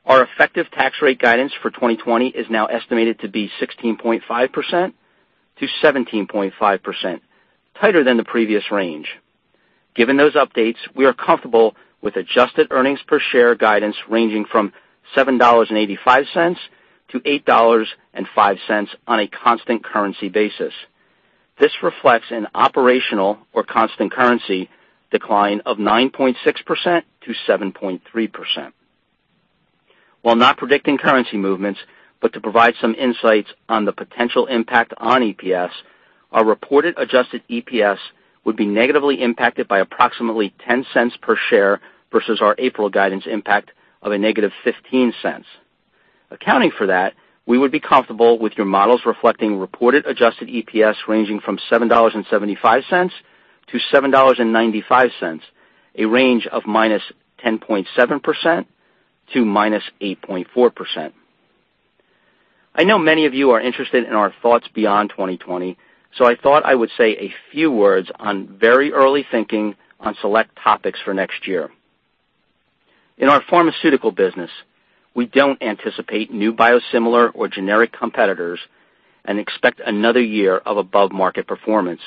Our effective tax rate guidance for 2020 is now estimated to be 16.5%-17.5%, tighter than the previous range. Given those updates, we are comfortable with adjusted earnings per share guidance ranging from $7.85-$8.05 on a constant currency basis. This reflects an operational or constant currency decline of 9.6% to 7.3%. While not predicting currency movements, to provide some insights on the potential impact on EPS, our reported adjusted EPS would be negatively impacted by approximately $0.10 per share versus our April guidance impact of a negative $0.15. Accounting for that, we would be comfortable with your models reflecting reported adjusted EPS ranging from $7.75-$7.95, a range of -10.7% to -8.4%. I know many of you are interested in our thoughts beyond 2020, I thought I would say a few words on very early thinking on select topics for next year. In our Pharmaceutical business, we don't anticipate new biosimilar or generic competitors and expect another year of above-market performance,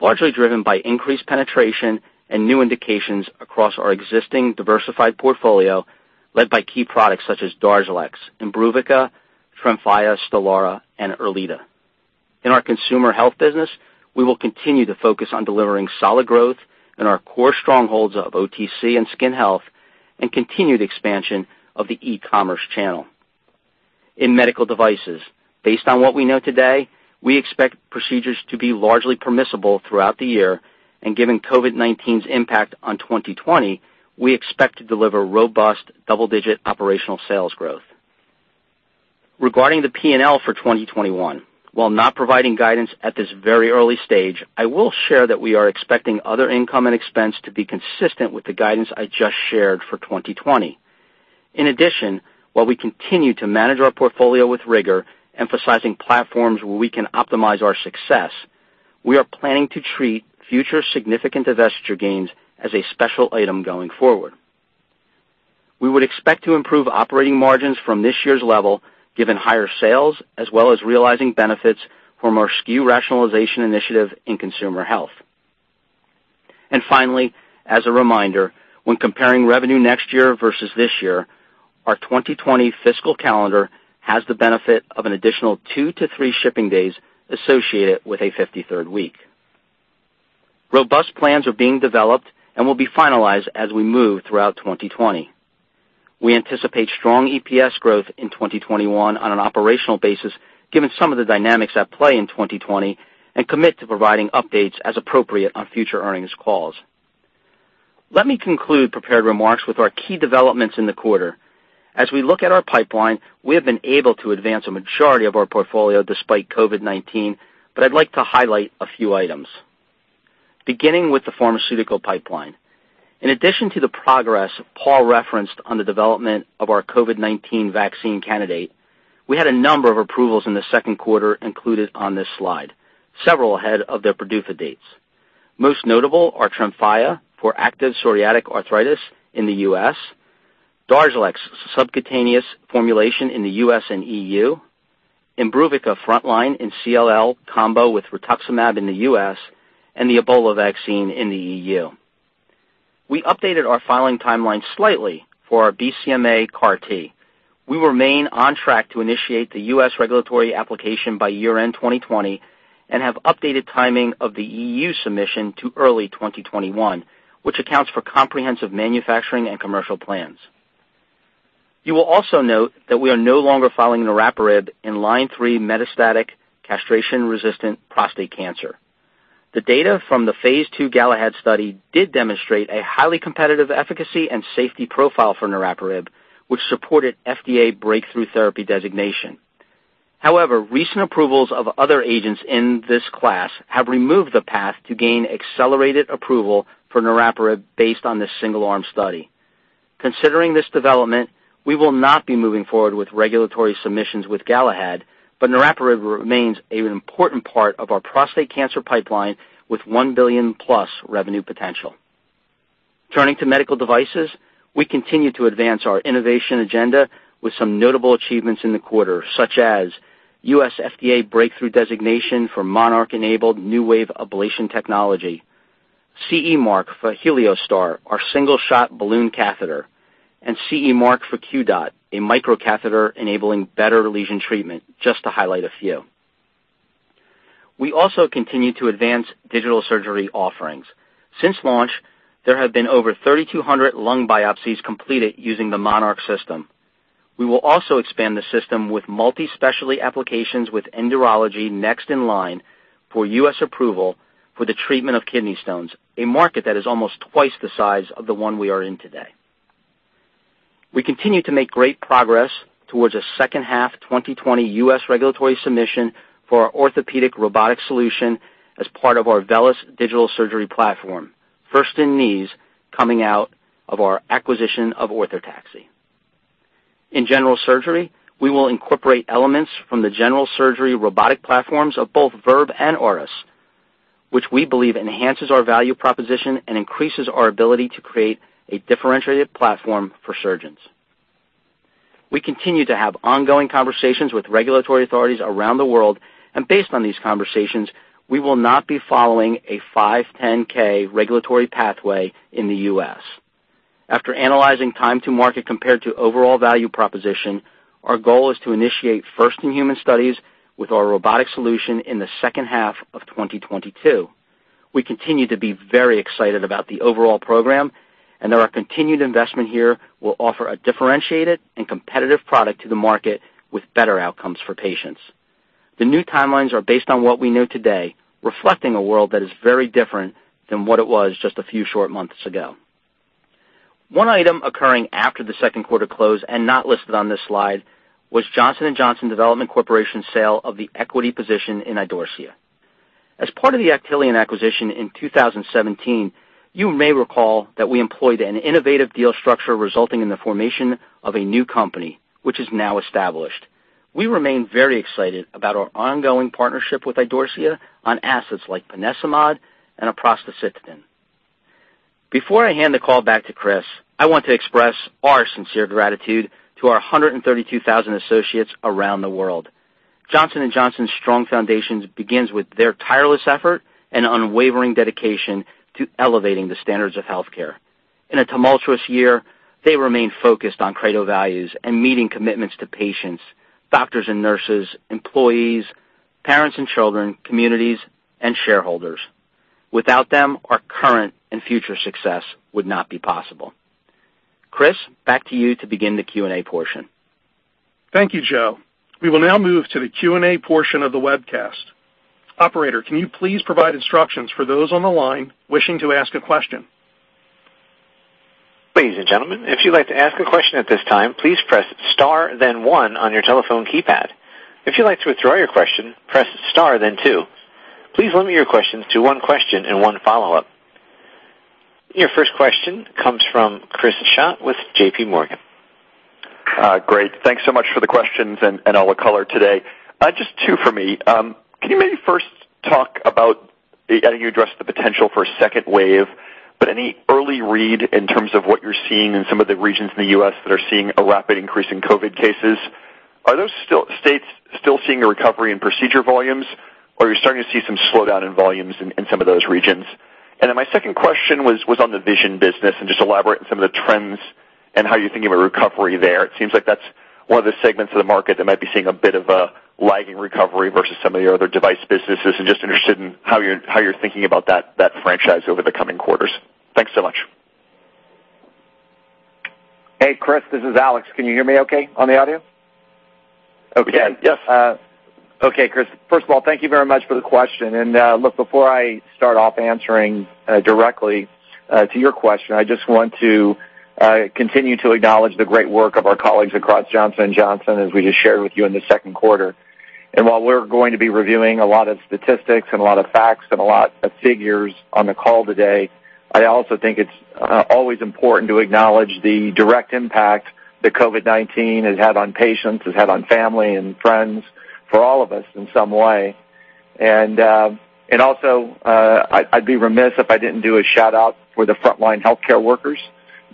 largely driven by increased penetration and new indications across our existing diversified portfolio, led by key products such as DARZALEX, IMBRUVICA, TREMFYA, STELARA, and ERLEADA. In our Consumer Health business, we will continue to focus on delivering solid growth in our core strongholds of OTC and skin health and continue the expansion of the e-commerce channel. In Medical Devices, based on what we know today, we expect procedures to be largely permissible throughout the year. Given COVID-19's impact on 2020, we expect to deliver robust double-digit operational sales growth. Regarding the P&L for 2021, while not providing guidance at this very early stage, I will share that we are expecting other income and expense to be consistent with the guidance I just shared for 2020. In addition, while we continue to manage our portfolio with rigor, emphasizing platforms where we can optimize our success, we are planning to treat future significant divestiture gains as a special item going forward. We would expect to improve operating margins from this year's level, given higher sales, as well as realizing benefits from our SKU rationalization initiative in consumer health. Finally, as a reminder, when comparing revenue next year versus this year, our 2020 fiscal calendar has the benefit of an additional 2-3 shipping days associated with a 53rd week. Robust plans are being developed and will be finalized as we move throughout 2020. We anticipate strong EPS growth in 2021 on an operational basis given some of the dynamics at play in 2020 and commit to providing updates as appropriate on future earnings calls. Let me conclude prepared remarks with our key developments in the quarter. As we look at our pipeline, we have been able to advance a majority of our portfolio despite COVID-19, but I'd like to highlight a few items. Beginning with the pharmaceutical pipeline. In addition to the progress Paul referenced on the development of our COVID-19 vaccine candidate, we had a number of approvals in the second quarter included on this slide, several ahead of their PDUFA dates. Most notable are TREMFYA for active psoriatic arthritis in the U.S., DARZALEX subcutaneous formulation in the U.S. and EU, IMBRUVICA frontline in CLL combo with rituximab in the U.S., and the Ebola vaccine in the EU. We updated our filing timeline slightly for our BCMA CAR-T. We remain on track to initiate the U.S. regulatory application by year-end 2020 and have updated timing of the EU submission to early 2021, which accounts for comprehensive manufacturing and commercial plans. You will also note that we are no longer filing niraparib in line 3 metastatic castration-resistant prostate cancer. The data from the Phase II GALAHAD study did demonstrate a highly competitive efficacy and safety profile for niraparib, which supported FDA breakthrough therapy designation. However, recent approvals of other agents in this class have removed the path to gain accelerated approval for niraparib based on this single-arm study. Considering this development, we will not be moving forward with regulatory submissions with GALAHAD, but niraparib remains an important part of our prostate cancer pipeline with $1 billion-plus revenue potential. Turning to medical devices, we continue to advance our innovation agenda with some notable achievements in the quarter, such as U.S. FDA breakthrough designation for MONARCH-enabled NeuWave ablation technology, CE mark for HELIOSTAR, our single-shot balloon catheter, and CE mark for QDot, a microcatheter enabling better lesion treatment, just to highlight a few. We also continue to advance digital surgery offerings. Since launch, there have been over 3,200 lung biopsies completed using the MONARCH system. We will also expand the system with multi-specialty applications with endourology next in line for U.S. approval for the treatment of kidney stones, a market that is almost twice the size of the one we are in today. We continue to make great progress towards a second half 2020 U.S. regulatory submission for our orthopedic robotic solution as part of our VELYS digital surgery platform, first in knees, coming out of our acquisition of Orthotaxy. In general surgery, we will incorporate elements from the general surgery robotic platforms of both Verb and Auris, which we believe enhances our value proposition and increases our ability to create a differentiated platform for surgeons. We continue to have ongoing conversations with regulatory authorities around the world, based on these conversations, we will not be following a 510 regulatory pathway in the U.S. After analyzing time to market compared to overall value proposition, our goal is to initiate first-in-human studies with our robotic solution in the second half of 2022. We continue to be very excited about the overall program, and that our continued investment here will offer a differentiated and competitive product to the market with better outcomes for patients. The new timelines are based on what we know today, reflecting a world that is very different than what it was just a few short months ago. One item occurring after the second quarter close and not listed on this slide was Johnson & Johnson Development Corporation's sale of the equity position in Idorsia. As part of the Actelion acquisition in 2017, you may recall that we employed an innovative deal structure resulting in the formation of a new company, which is now established. We remain very excited about our ongoing partnership with Idorsia on assets like ponesimod and aprocitentan. Before I hand the call back to Chris, I want to express our sincere gratitude to our 132,000 associates around the world. Johnson & Johnson's strong foundations begins with their tireless effort and unwavering dedication to elevating the standards of healthcare. In a tumultuous year, they remain focused on Credo values and meeting commitments to patients, doctors and nurses, employees, parents and children, communities, and shareholders. Without them, our current and future success would not be possible. Chris, back to you to begin the Q&A portion. Thank you, Joe. We will now move to the Q&A portion of the webcast. Operator, can you please provide instructions for those on the line wishing to ask a question? Ladies and gentlemen, if you'd like to ask a question at this time, please press star then one on your telephone keypad. If you'd like to withdraw your question, press star then two. Please limit your questions to one question and one follow-up. Your first question comes from Chris Schott with J.P. Morgan. Great. Thanks so much for the questions and all the color today. Just two for me. Can you maybe first talk about, I think you addressed the potential for a second wave, but any early read in terms of what you're seeing in some of the regions in the U.S. that are seeing a rapid increase in COVID-19 cases? Are those states still seeing a recovery in procedure volumes, or are you starting to see some slowdown in volumes in some of those regions? My second question was on the vision business, just elaborate on some of the trends and how you're thinking about recovery there. It seems like that's one of the segments of the market that might be seeing a bit of a lagging recovery versus some of your other device businesses. Just interested in how you're thinking about that franchise over the coming quarters. Thanks so much. Hey, Chris, this is Alex. Can you hear me okay on the audio? Yes. Okay, Chris. First of all, thank you very much for the question. Look, before I start off answering directly to your question, I just want to continue to acknowledge the great work of our colleagues across Johnson & Johnson, as we just shared with you in the second quarter. While we're going to be reviewing a lot of statistics and a lot of facts and a lot of figures on the call today, I also think it's always important to acknowledge the direct impact that COVID-19 has had on patients, has had on family and friends, for all of us in some way. I'd be remiss if I didn't do a shout-out for the frontline healthcare workers,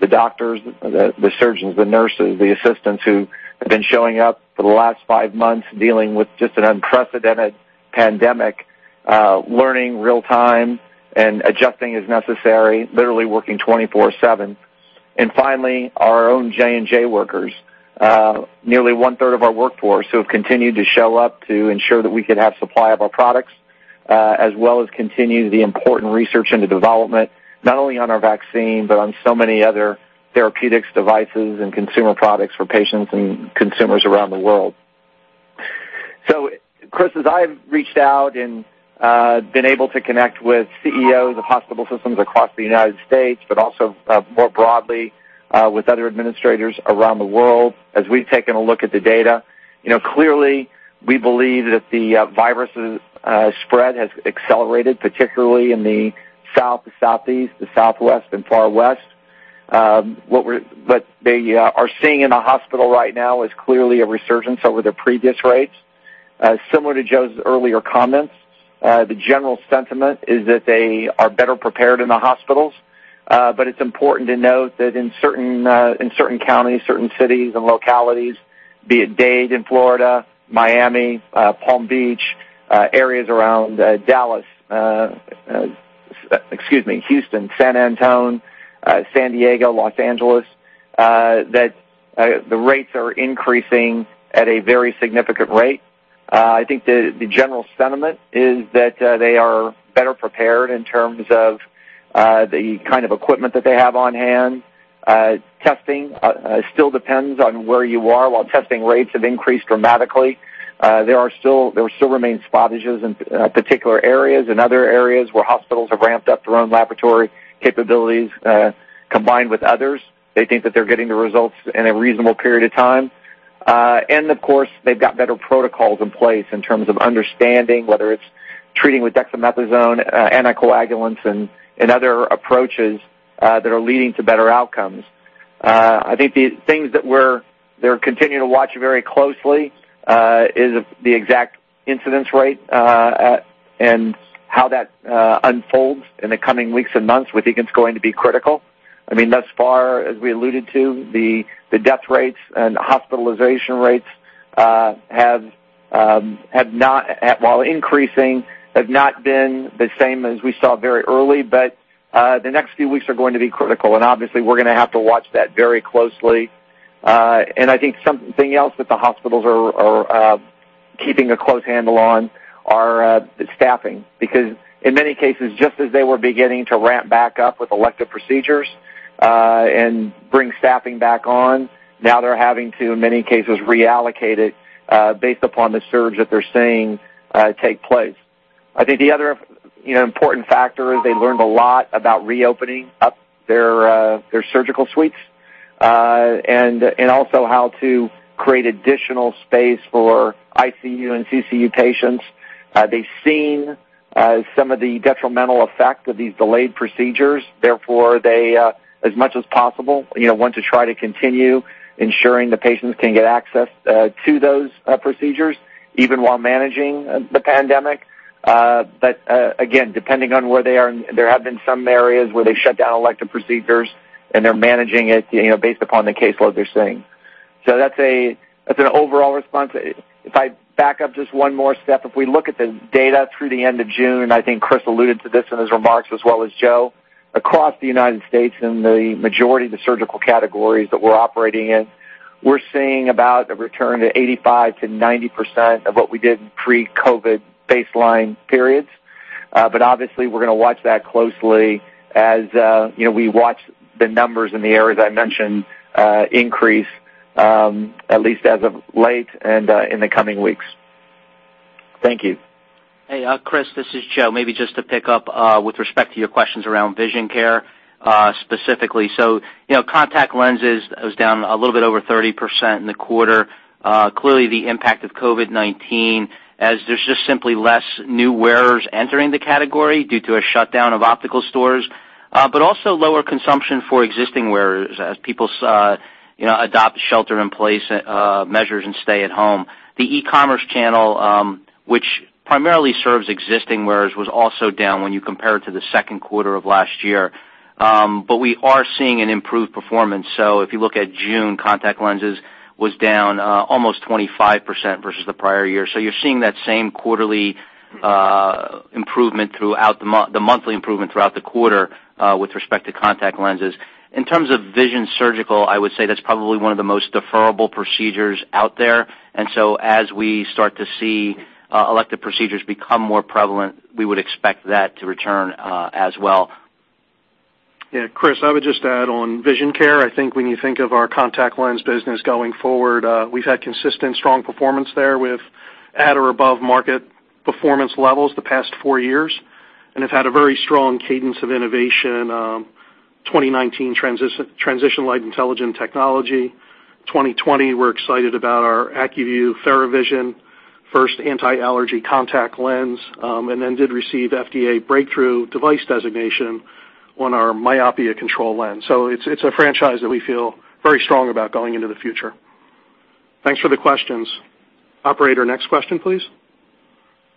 the doctors, the surgeons, the nurses, the assistants who have been showing up for the last five months dealing with just an unprecedented pandemic, learning real time and adjusting as necessary, literally working 24/7. Finally, our own J&J workers. Nearly one-third of our workforce who have continued to show up to ensure that we could have supply of our products, as well as continue the important research into development, not only on our vaccine, but on so many other therapeutics devices and consumer products for patients and consumers around the world. Chris, as I've reached out and been able to connect with CEOs of hospital systems across the United States, but also more broadly with other administrators around the world, as we've taken a look at the data, clearly we believe that the virus' spread has accelerated, particularly in the South, Southeast, the Southwest, and Far West. What they are seeing in the hospital right now is clearly a resurgence over their previous rates. Similar to Joe's earlier comments, the general sentiment is that they are better prepared in the hospitals. It's important to note that in certain counties, certain cities, and localities, be it Dade in Florida, Miami, Palm Beach, areas around Dallas, excuse me, Houston, San Antonio, San Diego, Los Angeles, that the rates are increasing at a very significant rate. I think the general sentiment is that they are better prepared in terms of the kind of equipment that they have on hand. Testing still depends on where you are. While testing rates have increased dramatically, there still remains spot issues in particular areas. In other areas where hospitals have ramped up their own laboratory capabilities, combined with others, they think that they're getting the results in a reasonable period of time. Of course, they've got better protocols in place in terms of understanding whether it's. Treating with dexamethasone, anticoagulants and other approaches that are leading to better outcomes. I think the things that we're continuing to watch very closely is the exact incidence rate and how that unfolds in the coming weeks and months. We think it's going to be critical. Thus far, as we alluded to, the death rates and hospitalization rates, while increasing, have not been the same as we saw very early, but the next few weeks are going to be critical, and obviously we're going to have to watch that very closely. I think something else that the hospitals are keeping a close handle on are staffing, because in many cases, just as they were beginning to ramp back up with elective procedures and bring staffing back on, now they're having to, in many cases, reallocate it based upon the surge that they're seeing take place. I think the other important factor is they learned a lot about reopening up their surgical suites, and also how to create additional space for ICU and CCU patients. They've seen some of the detrimental effect of these delayed procedures, therefore they, as much as possible, want to try to continue ensuring the patients can get access to those procedures even while managing the pandemic. Again, depending on where they are, there have been some areas where they shut down elective procedures and they're managing it based upon the caseload they're seeing. That's an overall response. If I back up just one more step, if we look at the data through the end of June, I think Chris alluded to this in his remarks as well as Joe, across the United States and the majority of the surgical categories that we're operating in, we're seeing about a return to 85%-90% of what we did in pre-COVID baseline periods. Obviously we're going to watch that closely as we watch the numbers in the areas I mentioned increase, at least as of late and in the coming weeks. Thank you. Hey, Chris, this is Joe. Maybe just to pick up with respect to your questions around vision care, specifically. Contact lenses is down a little bit over 30% in the quarter. Clearly, the impact of COVID-19, as there's just simply less new wearers entering the category due to a shutdown of optical stores, but also lower consumption for existing wearers as people adopt shelter-in-place measures and stay at home. The e-commerce channel, which primarily serves existing wearers, was also down when you compare it to the second quarter of last year. We are seeing an improved performance. If you look at June, contact lenses was down almost 25% versus the prior year. You're seeing The monthly improvement throughout the quarter with respect to contact lenses. In terms of vision surgical, I would say that's probably one of the most deferrable procedures out there, and so as we start to see elective procedures become more prevalent, we would expect that to return as well. Yeah, Chris, I would just add on vision care, I think when you think of our contact lens business going forward, we've had consistent strong performance there with at or above market performance levels the past four years, and have had a very strong cadence of innovation. 2019, Transitions Light Intelligent Technology. 2020, we're excited about our ACUVUE Theravision, first anti-allergy contact lens. Then did receive FDA breakthrough device designation on our myopia control lens. It's a franchise that we feel very strong about going into the future. Thanks for the questions. Operator, next question, please.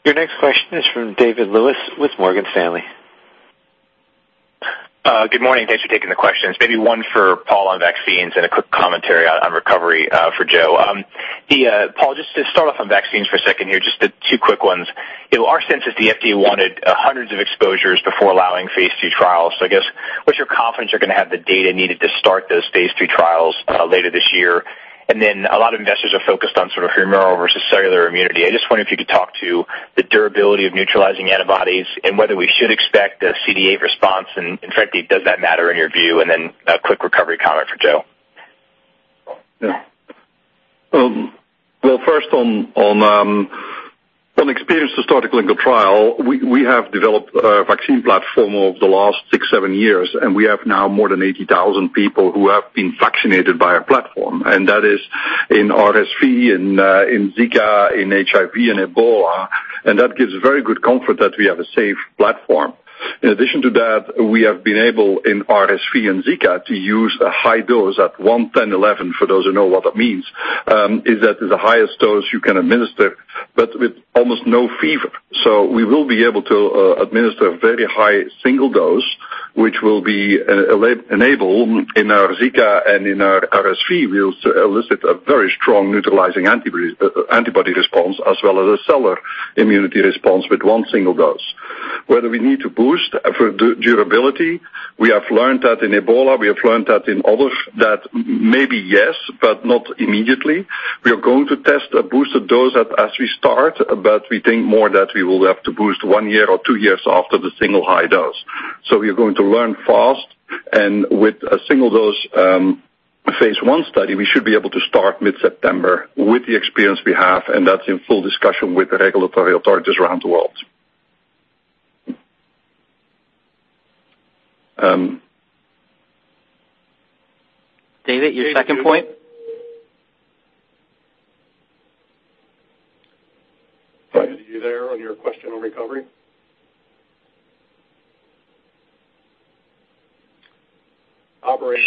Your next question is from David Lewis with Morgan Stanley. Good morning. Thanks for taking the questions. Maybe one for Paul on vaccines and a quick commentary on recovery for Joe. Paul, just to start off on vaccines for a second here, just two quick ones. Our sense is the FDA wanted hundreds of exposures before allowing phase II trials. I guess, what's your confidence you're going to have the data needed to start those phase III trials later this year? A lot of investors are focused on humoral versus cellular immunity. I just wonder if you could talk to the durability of neutralizing antibodies and whether we should expect a CDA response, and frankly, does that matter in your view? A quick recovery comment for Joe. Yeah. Well, first on experience to start a clinical trial, we have developed a vaccine platform over the last six, seven years, and we have now more than 80,000 people who have been vaccinated by our platform, and that is in RSV, in Zika, in HIV and Ebola, and that gives very good comfort that we have a safe platform. In addition to that, we have been able, in RSV and Zika, to use a high dose at 1,011, for those who know what that means, is that is the highest dose you can administer, but with almost no fever. We will be able to administer a very high single dose, which will enable in our Zika and in our RSV, we'll elicit a very strong neutralizing antibody response as well as a cellular immunity response with one single dose. Whether we need to boost for durability, we have learned that in Ebola, we have learned that in others, that maybe yes, but not immediately. We are going to test a boosted dose as we start, but we think more that we will have to boost one year or two years after the single high dose. We are going to learn fast, and with a single dose phase I study, we should be able to start mid-September with the experience we have, and that's in full discussion with the regulatory authorities around the world. David, your second point? Rob, are you there on your question on recovery? Operator?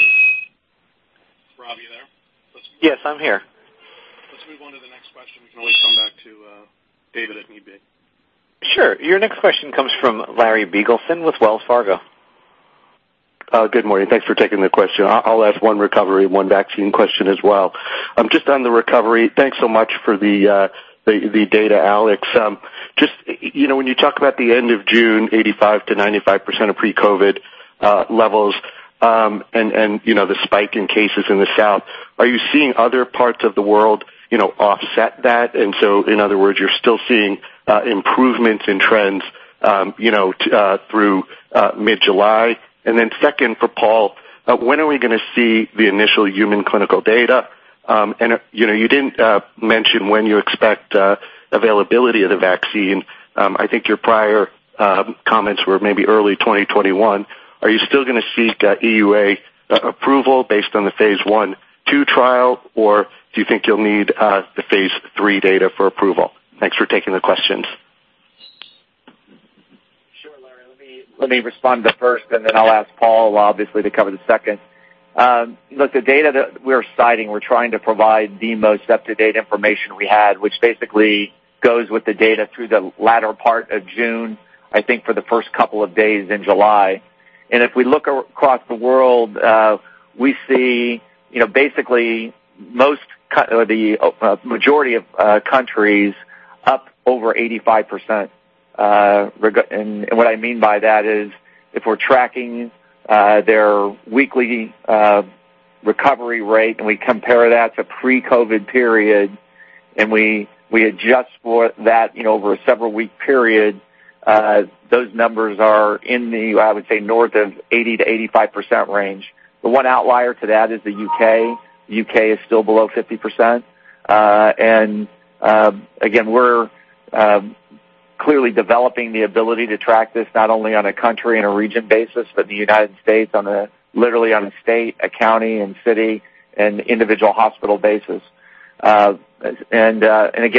Rob, are you there? Yes, I'm here. Let's move on to the next question. We can always come back to David if need be. Sure. Your next question comes from Larry Biegelsen with Wells Fargo. Good morning. Thanks for taking the question. I'll ask one recovery and one vaccine question as well. On the recovery, thanks so much for the data, Alex. When you talk about the end of June, 85%-95% of pre-COVID levels, and the spike in cases in the South, are you seeing other parts of the world offset that? In other words, you're still seeing improvements in trends through mid-July? Second, for Paul, when are we going to see the initial human clinical data? You didn't mention when you expect availability of the vaccine. I think your prior comments were maybe early 2021. Are you still going to seek EUA approval based on the phase I/II trial, or do you think you'll need the phase III data for approval? Thanks for taking the questions. Sure, Larry. Let me respond to first, and then I'll ask Paul, obviously, to cover the second. Look, the data that we're citing, we're trying to provide the most up-to-date information we had, which basically goes with the data through the latter part of June, I think for the first couple of days in July. If we look across the world, we see basically the majority of countries up over 85%. What I mean by that is if we're tracking their weekly recovery rate and we compare that to pre-COVID-19 period, and we adjust for that over a several-week period, those numbers are in the, I would say, north of 80%-85% range. The one outlier to that is the U.K. U.K. is still below 50%. Again, we're clearly developing the ability to track this not only on a country and a region basis, but the United States literally on a state, a county and city, and individual hospital basis. Again,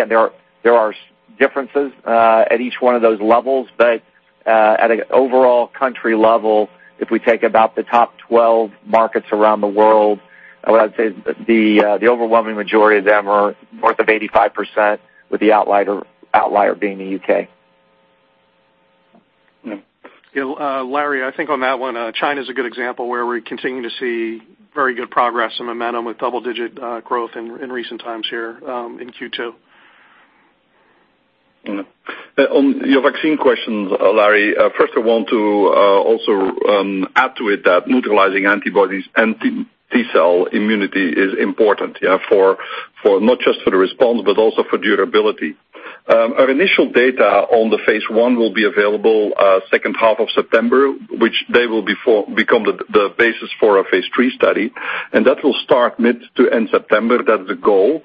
there are differences at each one of those levels. At an overall country level, if we take about the top 12 markets around the world, I would say the overwhelming majority of them are north of 85%, with the outlier being the U.K. Larry, I think on that one, China's a good example where we continue to see very good progress and momentum with double-digit growth in recent times here in Q2. On your vaccine questions, Larry, first I want to also add to it that neutralizing antibodies and T cell immunity is important, yeah, not just for the response, but also for durability. Our initial data on the phase I will be available second half of September, which they will become the basis for a phase III study. That will start mid to end September. That's the goal.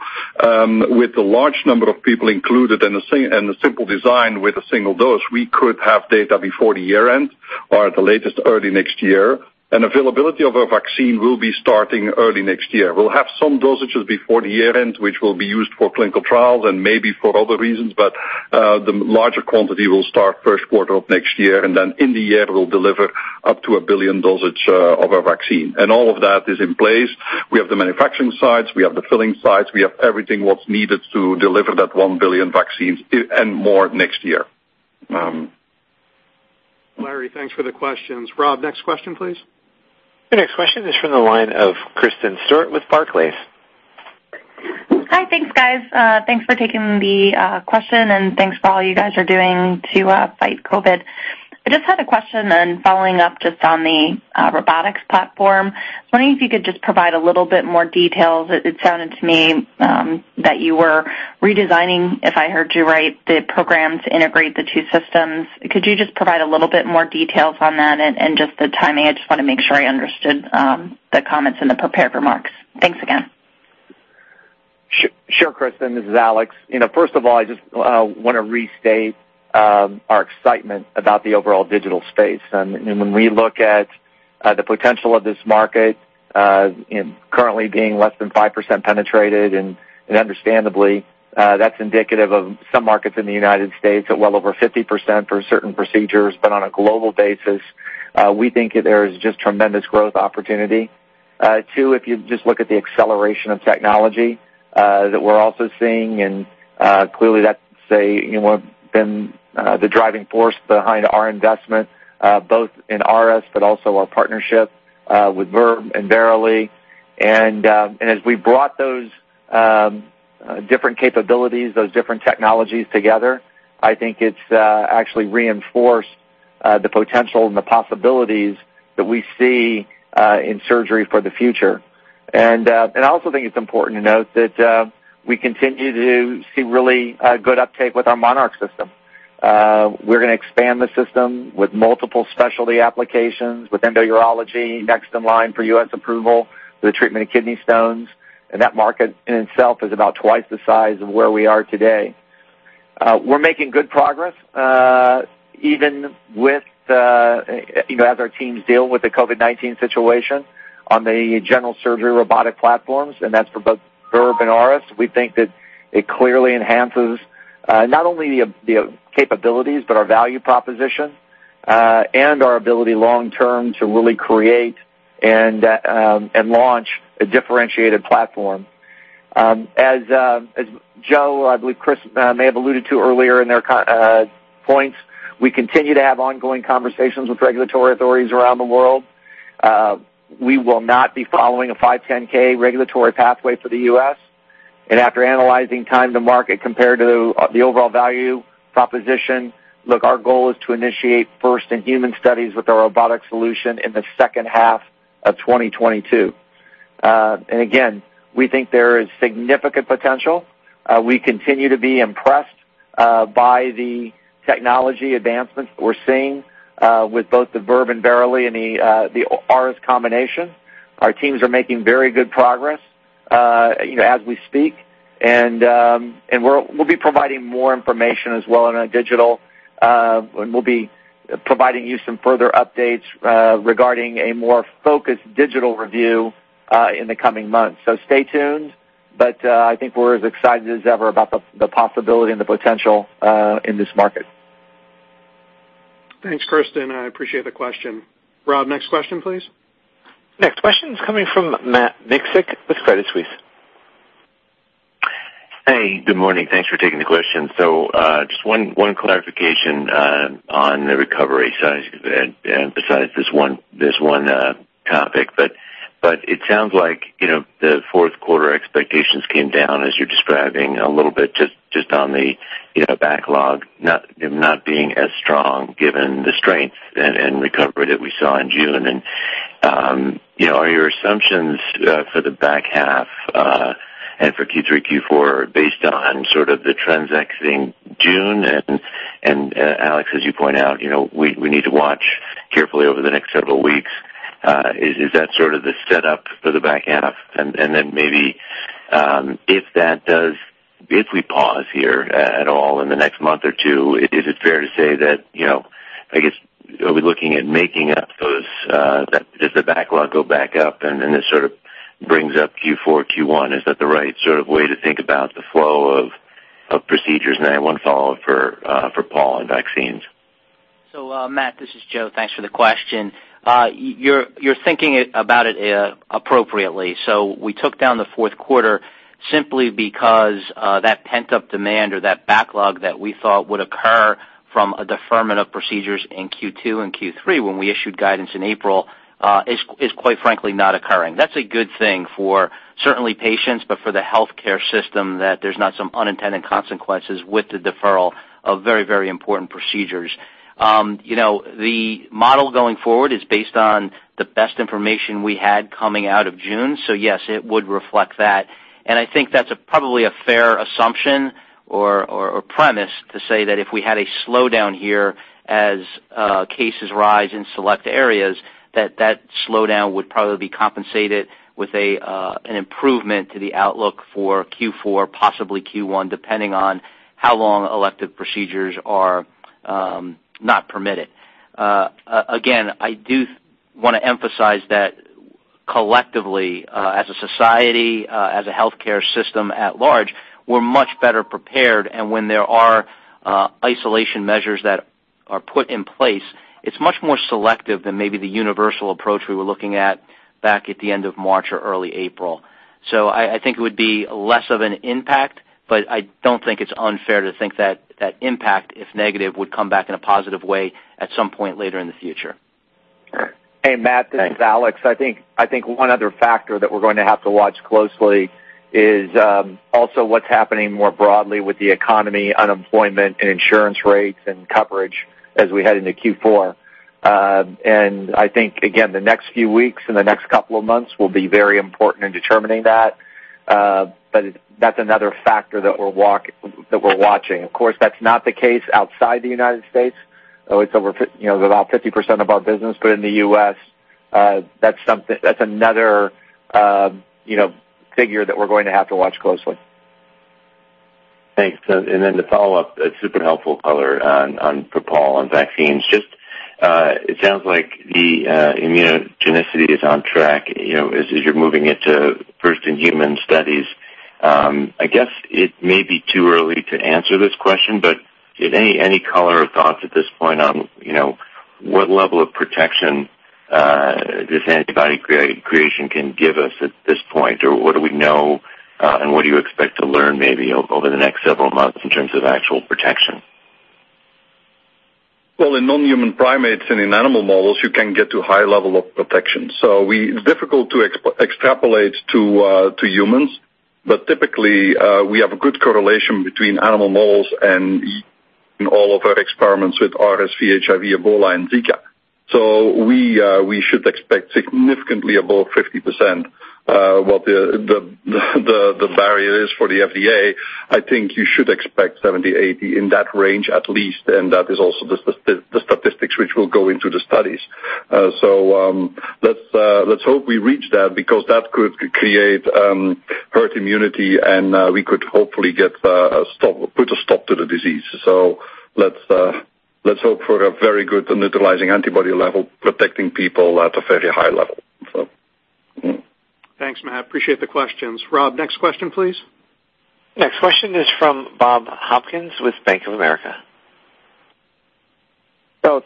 With a large number of people included and a simple design with a single dose, we could have data before the year-end or at the latest early next year. Availability of a vaccine will be starting early next year. We'll have some dosages before the year-end, which will be used for clinical trials and maybe for other reasons, but the larger quantity will start first quarter of next year. In the year, we'll deliver up to 1 billion dosage of our vaccine. All of that is in place. We have the manufacturing sites. We have the filling sites. We have everything what's needed to deliver that 1 billion vaccines and more next year. Larry, thanks for the questions. Bob, next question, please. The next question is from the line of Kristen Stewart with Barclays. Hi. Thanks, guys. Thanks for taking the question. Thanks for all you guys are doing to fight COVID. I just had a question following up just on the robotics platform. I was wondering if you could just provide a little bit more details. It sounded to me that you were redesigning, if I heard you right, the program to integrate the two systems. Could you just provide a little bit more details on that and just the timing? I just want to make sure I understood the comments in the prepared remarks. Thanks again. Sure, Kristen. This is Alex. First of all, I just want to restate our excitement about the overall digital space. When we look at the potential of this market currently being less than 5% penetrated, understandably, that's indicative of some markets in the U.S. at well over 50% for certain procedures. On a global basis, we think there is just tremendous growth opportunity. Two, if you just look at the acceleration of technology that we're also seeing, and clearly that's been the driving force behind our investment, both in RS, but also our partnership with Verb and Verily. As we brought those different capabilities, those different technologies together, I think it's actually reinforced the potential and the possibilities that we see in surgery for the future. I also think it's important to note that we continue to see really good uptake with our MONARCH system. We're going to expand the system with multiple specialty applications with endourology next in line for U.S. approval for the treatment of kidney stones, and that market in itself is about twice the size of where we are today. We're making good progress, even as our teams deal with the COVID-19 situation on the general surgery robotic platforms, and that's for both Verb and Auris. We think that it clearly enhances not only the capabilities, but our value proposition, and our ability long-term to really create and launch a differentiated platform. As Joe, I believe Chris may have alluded to earlier in their points, we continue to have ongoing conversations with regulatory authorities around the world. We will not be following a 510(k) regulatory pathway for the U.S. After analyzing time to market compared to the overall value proposition, look, our goal is to initiate first in human studies with our robotic solution in the second half of 2022. Again, we think there is significant potential. We continue to be impressed by the technology advancements that we're seeing with both the Verb and Verily and the Auris combination. Our teams are making very good progress as we speak. We'll be providing more information as well, and we'll be providing you some further updates regarding a more focused digital review in the coming months. Stay tuned, I think we're as excited as ever about the possibility and the potential in this market. Thanks, Kristen. I appreciate the question. Bob, next question, please. Next question's coming from Matt Nicksick with Credit Suisse. Hey. Good morning. Thanks for taking the question. Just one clarification on the recovery side, besides this one topic. It sounds like the fourth quarter expectations came down as you're describing a little bit just on the backlog not being as strong given the strength and recovery that we saw in June. Are your assumptions for the back half and for Q3, Q4 based on sort of the trends exiting June? Alex, as you point out, we need to watch carefully over the next several weeks. Is that sort of the setup for the back half? Then maybe if we pause here at all in the next month or two, is it fair to say that, I guess, does the backlog go back up and this sort of brings up Q4, Q1? Is that the right sort of way to think about the flow of procedures? Then I have one follow-up for Paul on vaccines. Matt, this is Joe. Thanks for the question. You're thinking about it appropriately. We took down the fourth quarter simply because that pent-up demand or that backlog that we thought would occur from a deferment of procedures in Q2 and Q3 when we issued guidance in April is, quite frankly, not occurring. That's a good thing for certainly patients, but for the healthcare system, that there's not some unintended consequences with the deferral of very important procedures. The model going forward is based on the best information we had coming out of June. Yes, it would reflect that. I think that's probably a fair assumption or premise to say that if we had a slowdown here as cases rise in select areas, that that slowdown would probably be compensated with an improvement to the outlook for Q4, possibly Q1, depending on how long elective procedures are not permitted. Again, I do want to emphasize that collectively, as a society, as a healthcare system at large, we're much better prepared. When there are isolation measures that are put in place, it's much more selective than maybe the universal approach we were looking at back at the end of March or early April. I think it would be less of an impact, but I don't think it's unfair to think that impact, if negative, would come back in a positive way at some point later in the future. All right. Hey, Matt, this is Alex. I think one other factor that we're going to have to watch closely is also what's happening more broadly with the economy, unemployment, and insurance rates and coverage as we head into Q4. I think, again, the next few weeks and the next couple of months will be very important in determining that. That's another factor that we're watching. Of course, that's not the case outside the United States. It's about 50% of our business, but in the U.S., that's another figure that we're going to have to watch closely. Thanks. The follow-up, a super helpful color for Paul on vaccines. Just it sounds like the immunogenicity is on track as you're moving into first-in-human studies. I guess it may be too early to answer this question, any color or thoughts at this point on what level of protection this antibody creation can give us at this point, or what do we know and what do you expect to learn maybe over the next several months in terms of actual protection? Well, in non-human primates and in animal models, you can get to high level of protection. It's difficult to extrapolate to humans. Typically, we have a good correlation between animal models and in all of our experiments with RSV, HIV, Ebola, and Zika. We should expect significantly above 50%, what the barrier is for the FDA. I think you should expect 70%, 80%, in that range at least, and that is also the statistics which will go into the studies. Let's hope we reach that because that could create herd immunity and we could hopefully put a stop to the disease. Let's hope for a very good neutralizing antibody level protecting people at a very high level. Thanks, Matt. Appreciate the questions. Rob, next question, please. Next question is from Bob Hopkins with Bank of America.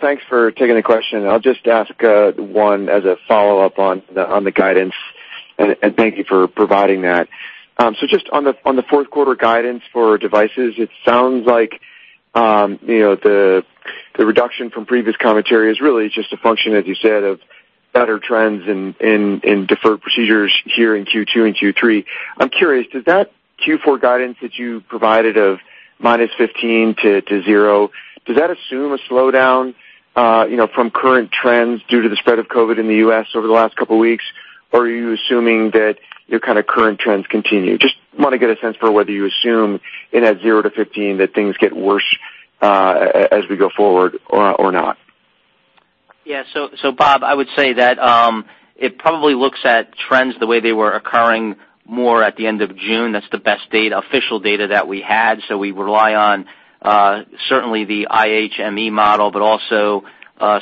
Thanks for taking the question. I'll just ask one as a follow-up on the guidance, and thank you for providing that. Just on the fourth quarter guidance for devices, it sounds like the reduction from previous commentary is really just a function, as you said, of better trends in deferred procedures here in Q2 and Q3. I'm curious, does that Q4 guidance that you provided of -15% to 0%, does that assume a slowdown from current trends due to the spread of COVID-19 in the U.S. over the last couple of weeks? Are you assuming that your kind of current trends continue? Just want to get a sense for whether you assume in that 0% to 15% that things get worse as we go forward or not. Bob, I would say that it probably looks at trends the way they were occurring more at the end of June. That's the best official data that we had. We rely on certainly the IHME model, but also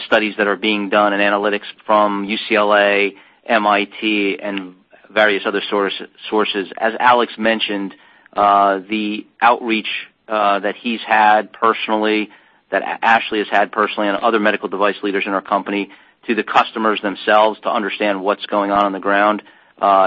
studies that are being done and analytics from UCLA, MIT, and various other sources. As Alex mentioned, the outreach that he's had personally, that Ashley has had personally, and other medical device leaders in our company to the customers themselves to understand what's going on on the ground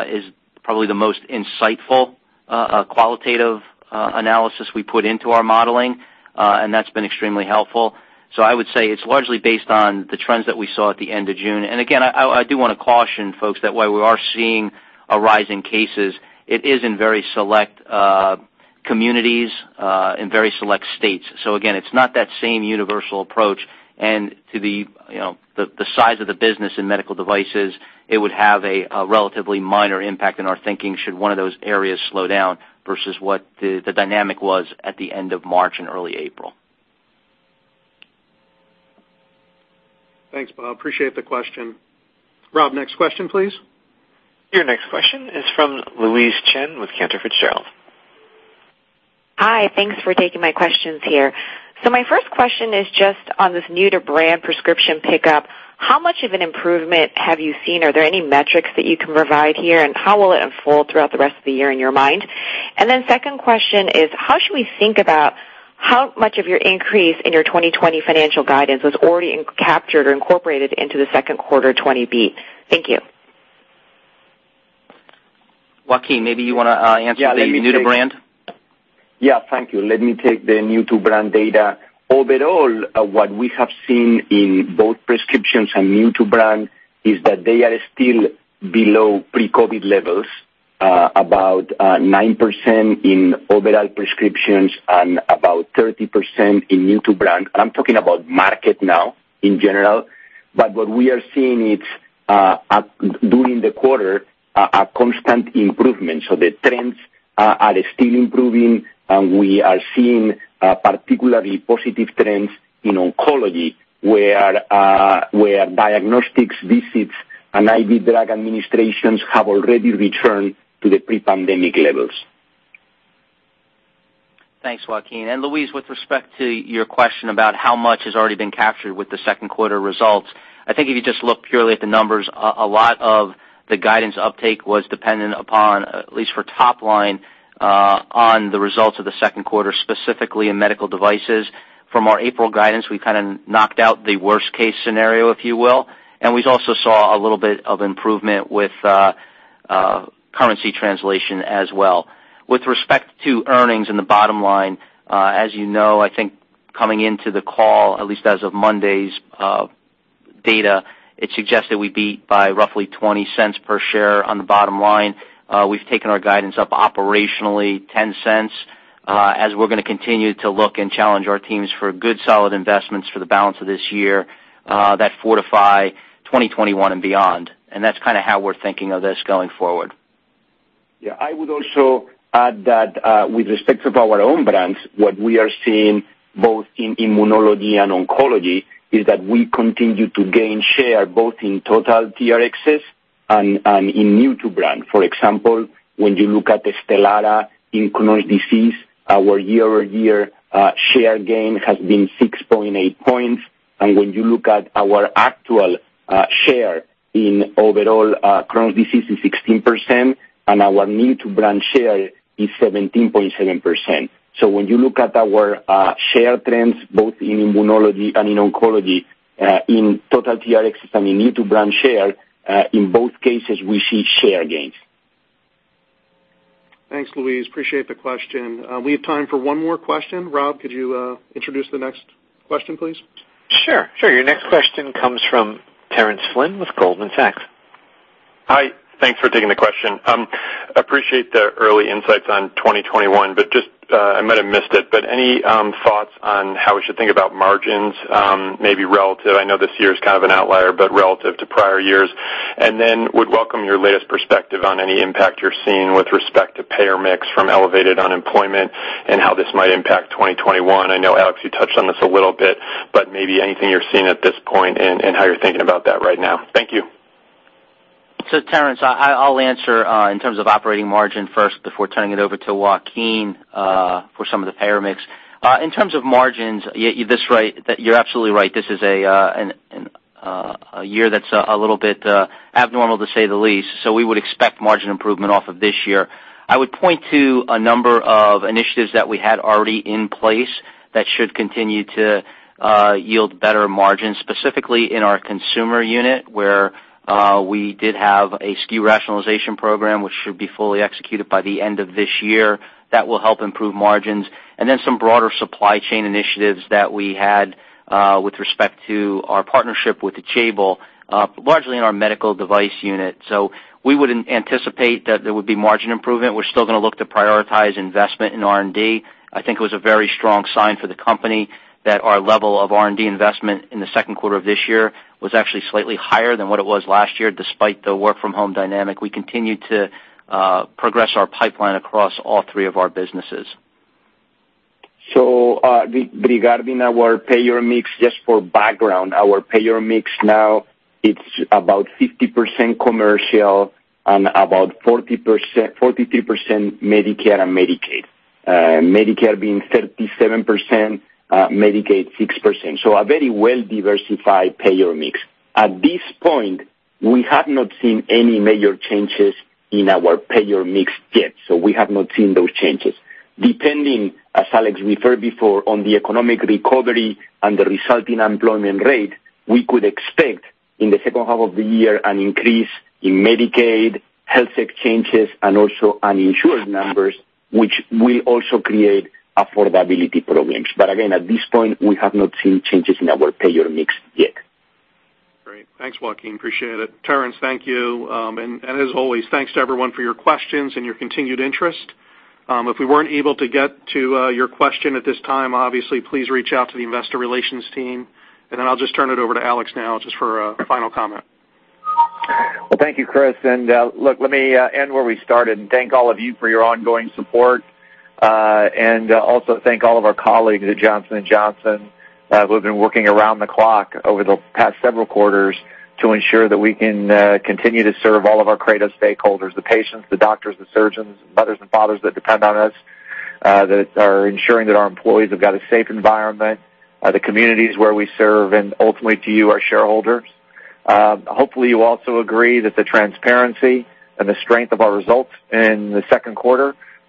is probably the most insightful qualitative analysis we put into our modeling. That's been extremely helpful. I would say it's largely based on the trends that we saw at the end of June. Again, I do want to caution folks that while we are seeing a rise in cases, it is in very select communities, in very select states. Again, it's not that same universal approach. To the size of the business in medical devices, it would have a relatively minor impact in our thinking should one of those areas slow down versus what the dynamic was at the end of March and early April. Thanks, Bob. Appreciate the question. Rob, next question, please. Your next question is from Louise Chen with Cantor Fitzgerald. Hi. Thanks for taking my questions here. My first question is just on this new to brand prescription pickup. How much of an improvement have you seen? Are there any metrics that you can provide here, and how will it unfold throughout the rest of the year in your mind? Second question is how should we think about how much of your increase in your 2020 financial guidance was already captured or incorporated into the second quarter 20 beat? Thank you. Joaquin, maybe you want to answer the new to brand. Yeah, thank you. Let me take the new to brand data. Overall, what we have seen in both prescriptions and new to brand is that they are still below pre-COVID levels, about 9% in overall prescriptions and about 30% in new to brand. I'm talking about market now in general. What we are seeing is during the quarter, a constant improvement. The trends are still improving, and we are seeing particularly positive trends in oncology, where diagnostics visits and IV drug administrations have already returned to the pre-pandemic levels. Thanks, Joaquin. Louise, with respect to your question about how much has already been captured with the second quarter results, I think if you just look purely at the numbers, a lot of the guidance uptake was dependent upon, at least for top line, on the results of the second quarter, specifically in Medical Devices. From our April guidance, we kind of knocked out the worst-case scenario, if you will, and we also saw a little bit of improvement with currency translation as well. With respect to earnings in the bottom line, as you know, I think coming into the call, at least as of Monday's data, it suggests that we beat by roughly $0.20 per share on the bottom line. We've taken our guidance up operationally $0.10 as we're going to continue to look and challenge our teams for good solid investments for the balance of this year that fortify 2021 and beyond. That's kind of how we're thinking of this going forward. I would also add that with respect to our own brands, what we are seeing both in immunology and oncology is that we continue to gain share both in total TRxs and in new to brand. For example, when you look at STELARA in Crohn's disease, our year-over-year share gain has been 6.8 points. When you look at our actual share in overall Crohn's disease is 16%, and our new to brand share is 17.7%. When you look at our share trends, both in immunology and in oncology in total TRxs and in new to brand share, in both cases we see share gains. Thanks, Louise. Appreciate the question. We have time for one more question. Bob, could you introduce the next question, please? Sure. Your next question comes from Terence Flynn with Goldman Sachs. Hi. Thanks for taking the question. Appreciate the early insights on 2021, but I might have missed it, but any thoughts on how we should think about margins maybe relative, I know this year is kind of an outlier, but relative to prior years? Would welcome your latest perspective on any impact you're seeing with respect to payer mix from elevated unemployment and how this might impact 2021. I know, Alex, you touched on this a little bit, but maybe anything you're seeing at this point and how you're thinking about that right now. Thank you. Terence, I'll answer in terms of operating margin first before turning it over to Joaquin for some of the payer mix. In terms of margins, you're absolutely right. This is a year that's a little bit abnormal, to say the least. We would expect margin improvement off of this year. I would point to a number of initiatives that we had already in place that should continue to yield better margins, specifically in our consumer unit, where we did have a SKU rationalization program, which should be fully executed by the end of this year. That will help improve margins. Some broader supply chain initiatives that we had with respect to our partnership with the table, largely in our medical device unit. We would anticipate that there would be margin improvement. We're still going to look to prioritize investment in R&D. I think it was a very strong sign for the company that our level of R&D investment in the second quarter of this year was actually slightly higher than what it was last year, despite the work from home dynamic. We continued to progress our pipeline across all three of our businesses. Regarding our payer mix, just for background, our payer mix now is about 50% commercial and about 43% Medicare and Medicaid. Medicare being 37%, Medicaid 6%. A very well-diversified payer mix. At this point, we have not seen any major changes in our payer mix yet. We have not seen those changes. Depending, as Alex referred before, on the economic recovery and the resulting unemployment rate, we could expect in the second half of the year an increase in Medicaid, health exchanges, and also uninsured numbers, which will also create affordability programs. Again, at this point, we have not seen changes in our payer mix yet. Great. Thanks, Joaquin. Appreciate it. Terence, thank you. As always, thanks to everyone for your questions and your continued interest. If we weren't able to get to your question at this time, obviously, please reach out to the investor relations team, I'll just turn it over to Alex now just for a final comment. Well, thank you, Chris. Look, let me end where we started and thank all of you for your ongoing support. Also thank all of our colleagues at Johnson & Johnson who have been working around the clock over the past several quarters to ensure that we can continue to serve all of our key stakeholders, the patients, the doctors, the surgeons, mothers and fathers that depend on us, that are ensuring that our employees have got a safe environment, the communities where we serve, and ultimately to you, our shareholders. Hopefully you also agree that the transparency and the strength of our results in the second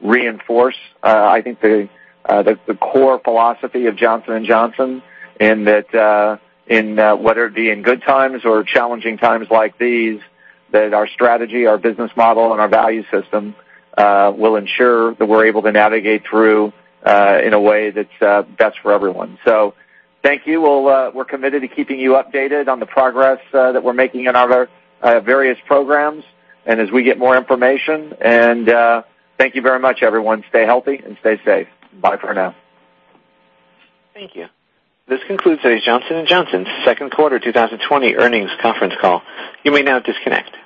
quarter reinforce I think the core philosophy of Johnson & Johnson, that whether it be in good times or challenging times like these, our strategy, our business model, and our value system will ensure that we're able to navigate through in a way that's best for everyone. Thank you. We're committed to keeping you updated on the progress that we're making in our various programs and as we get more information. Thank you very much, everyone. Stay healthy and stay safe. Bye for now. Thank you. This concludes today's Johnson & Johnson second quarter 2020 earnings conference call. You may now disconnect.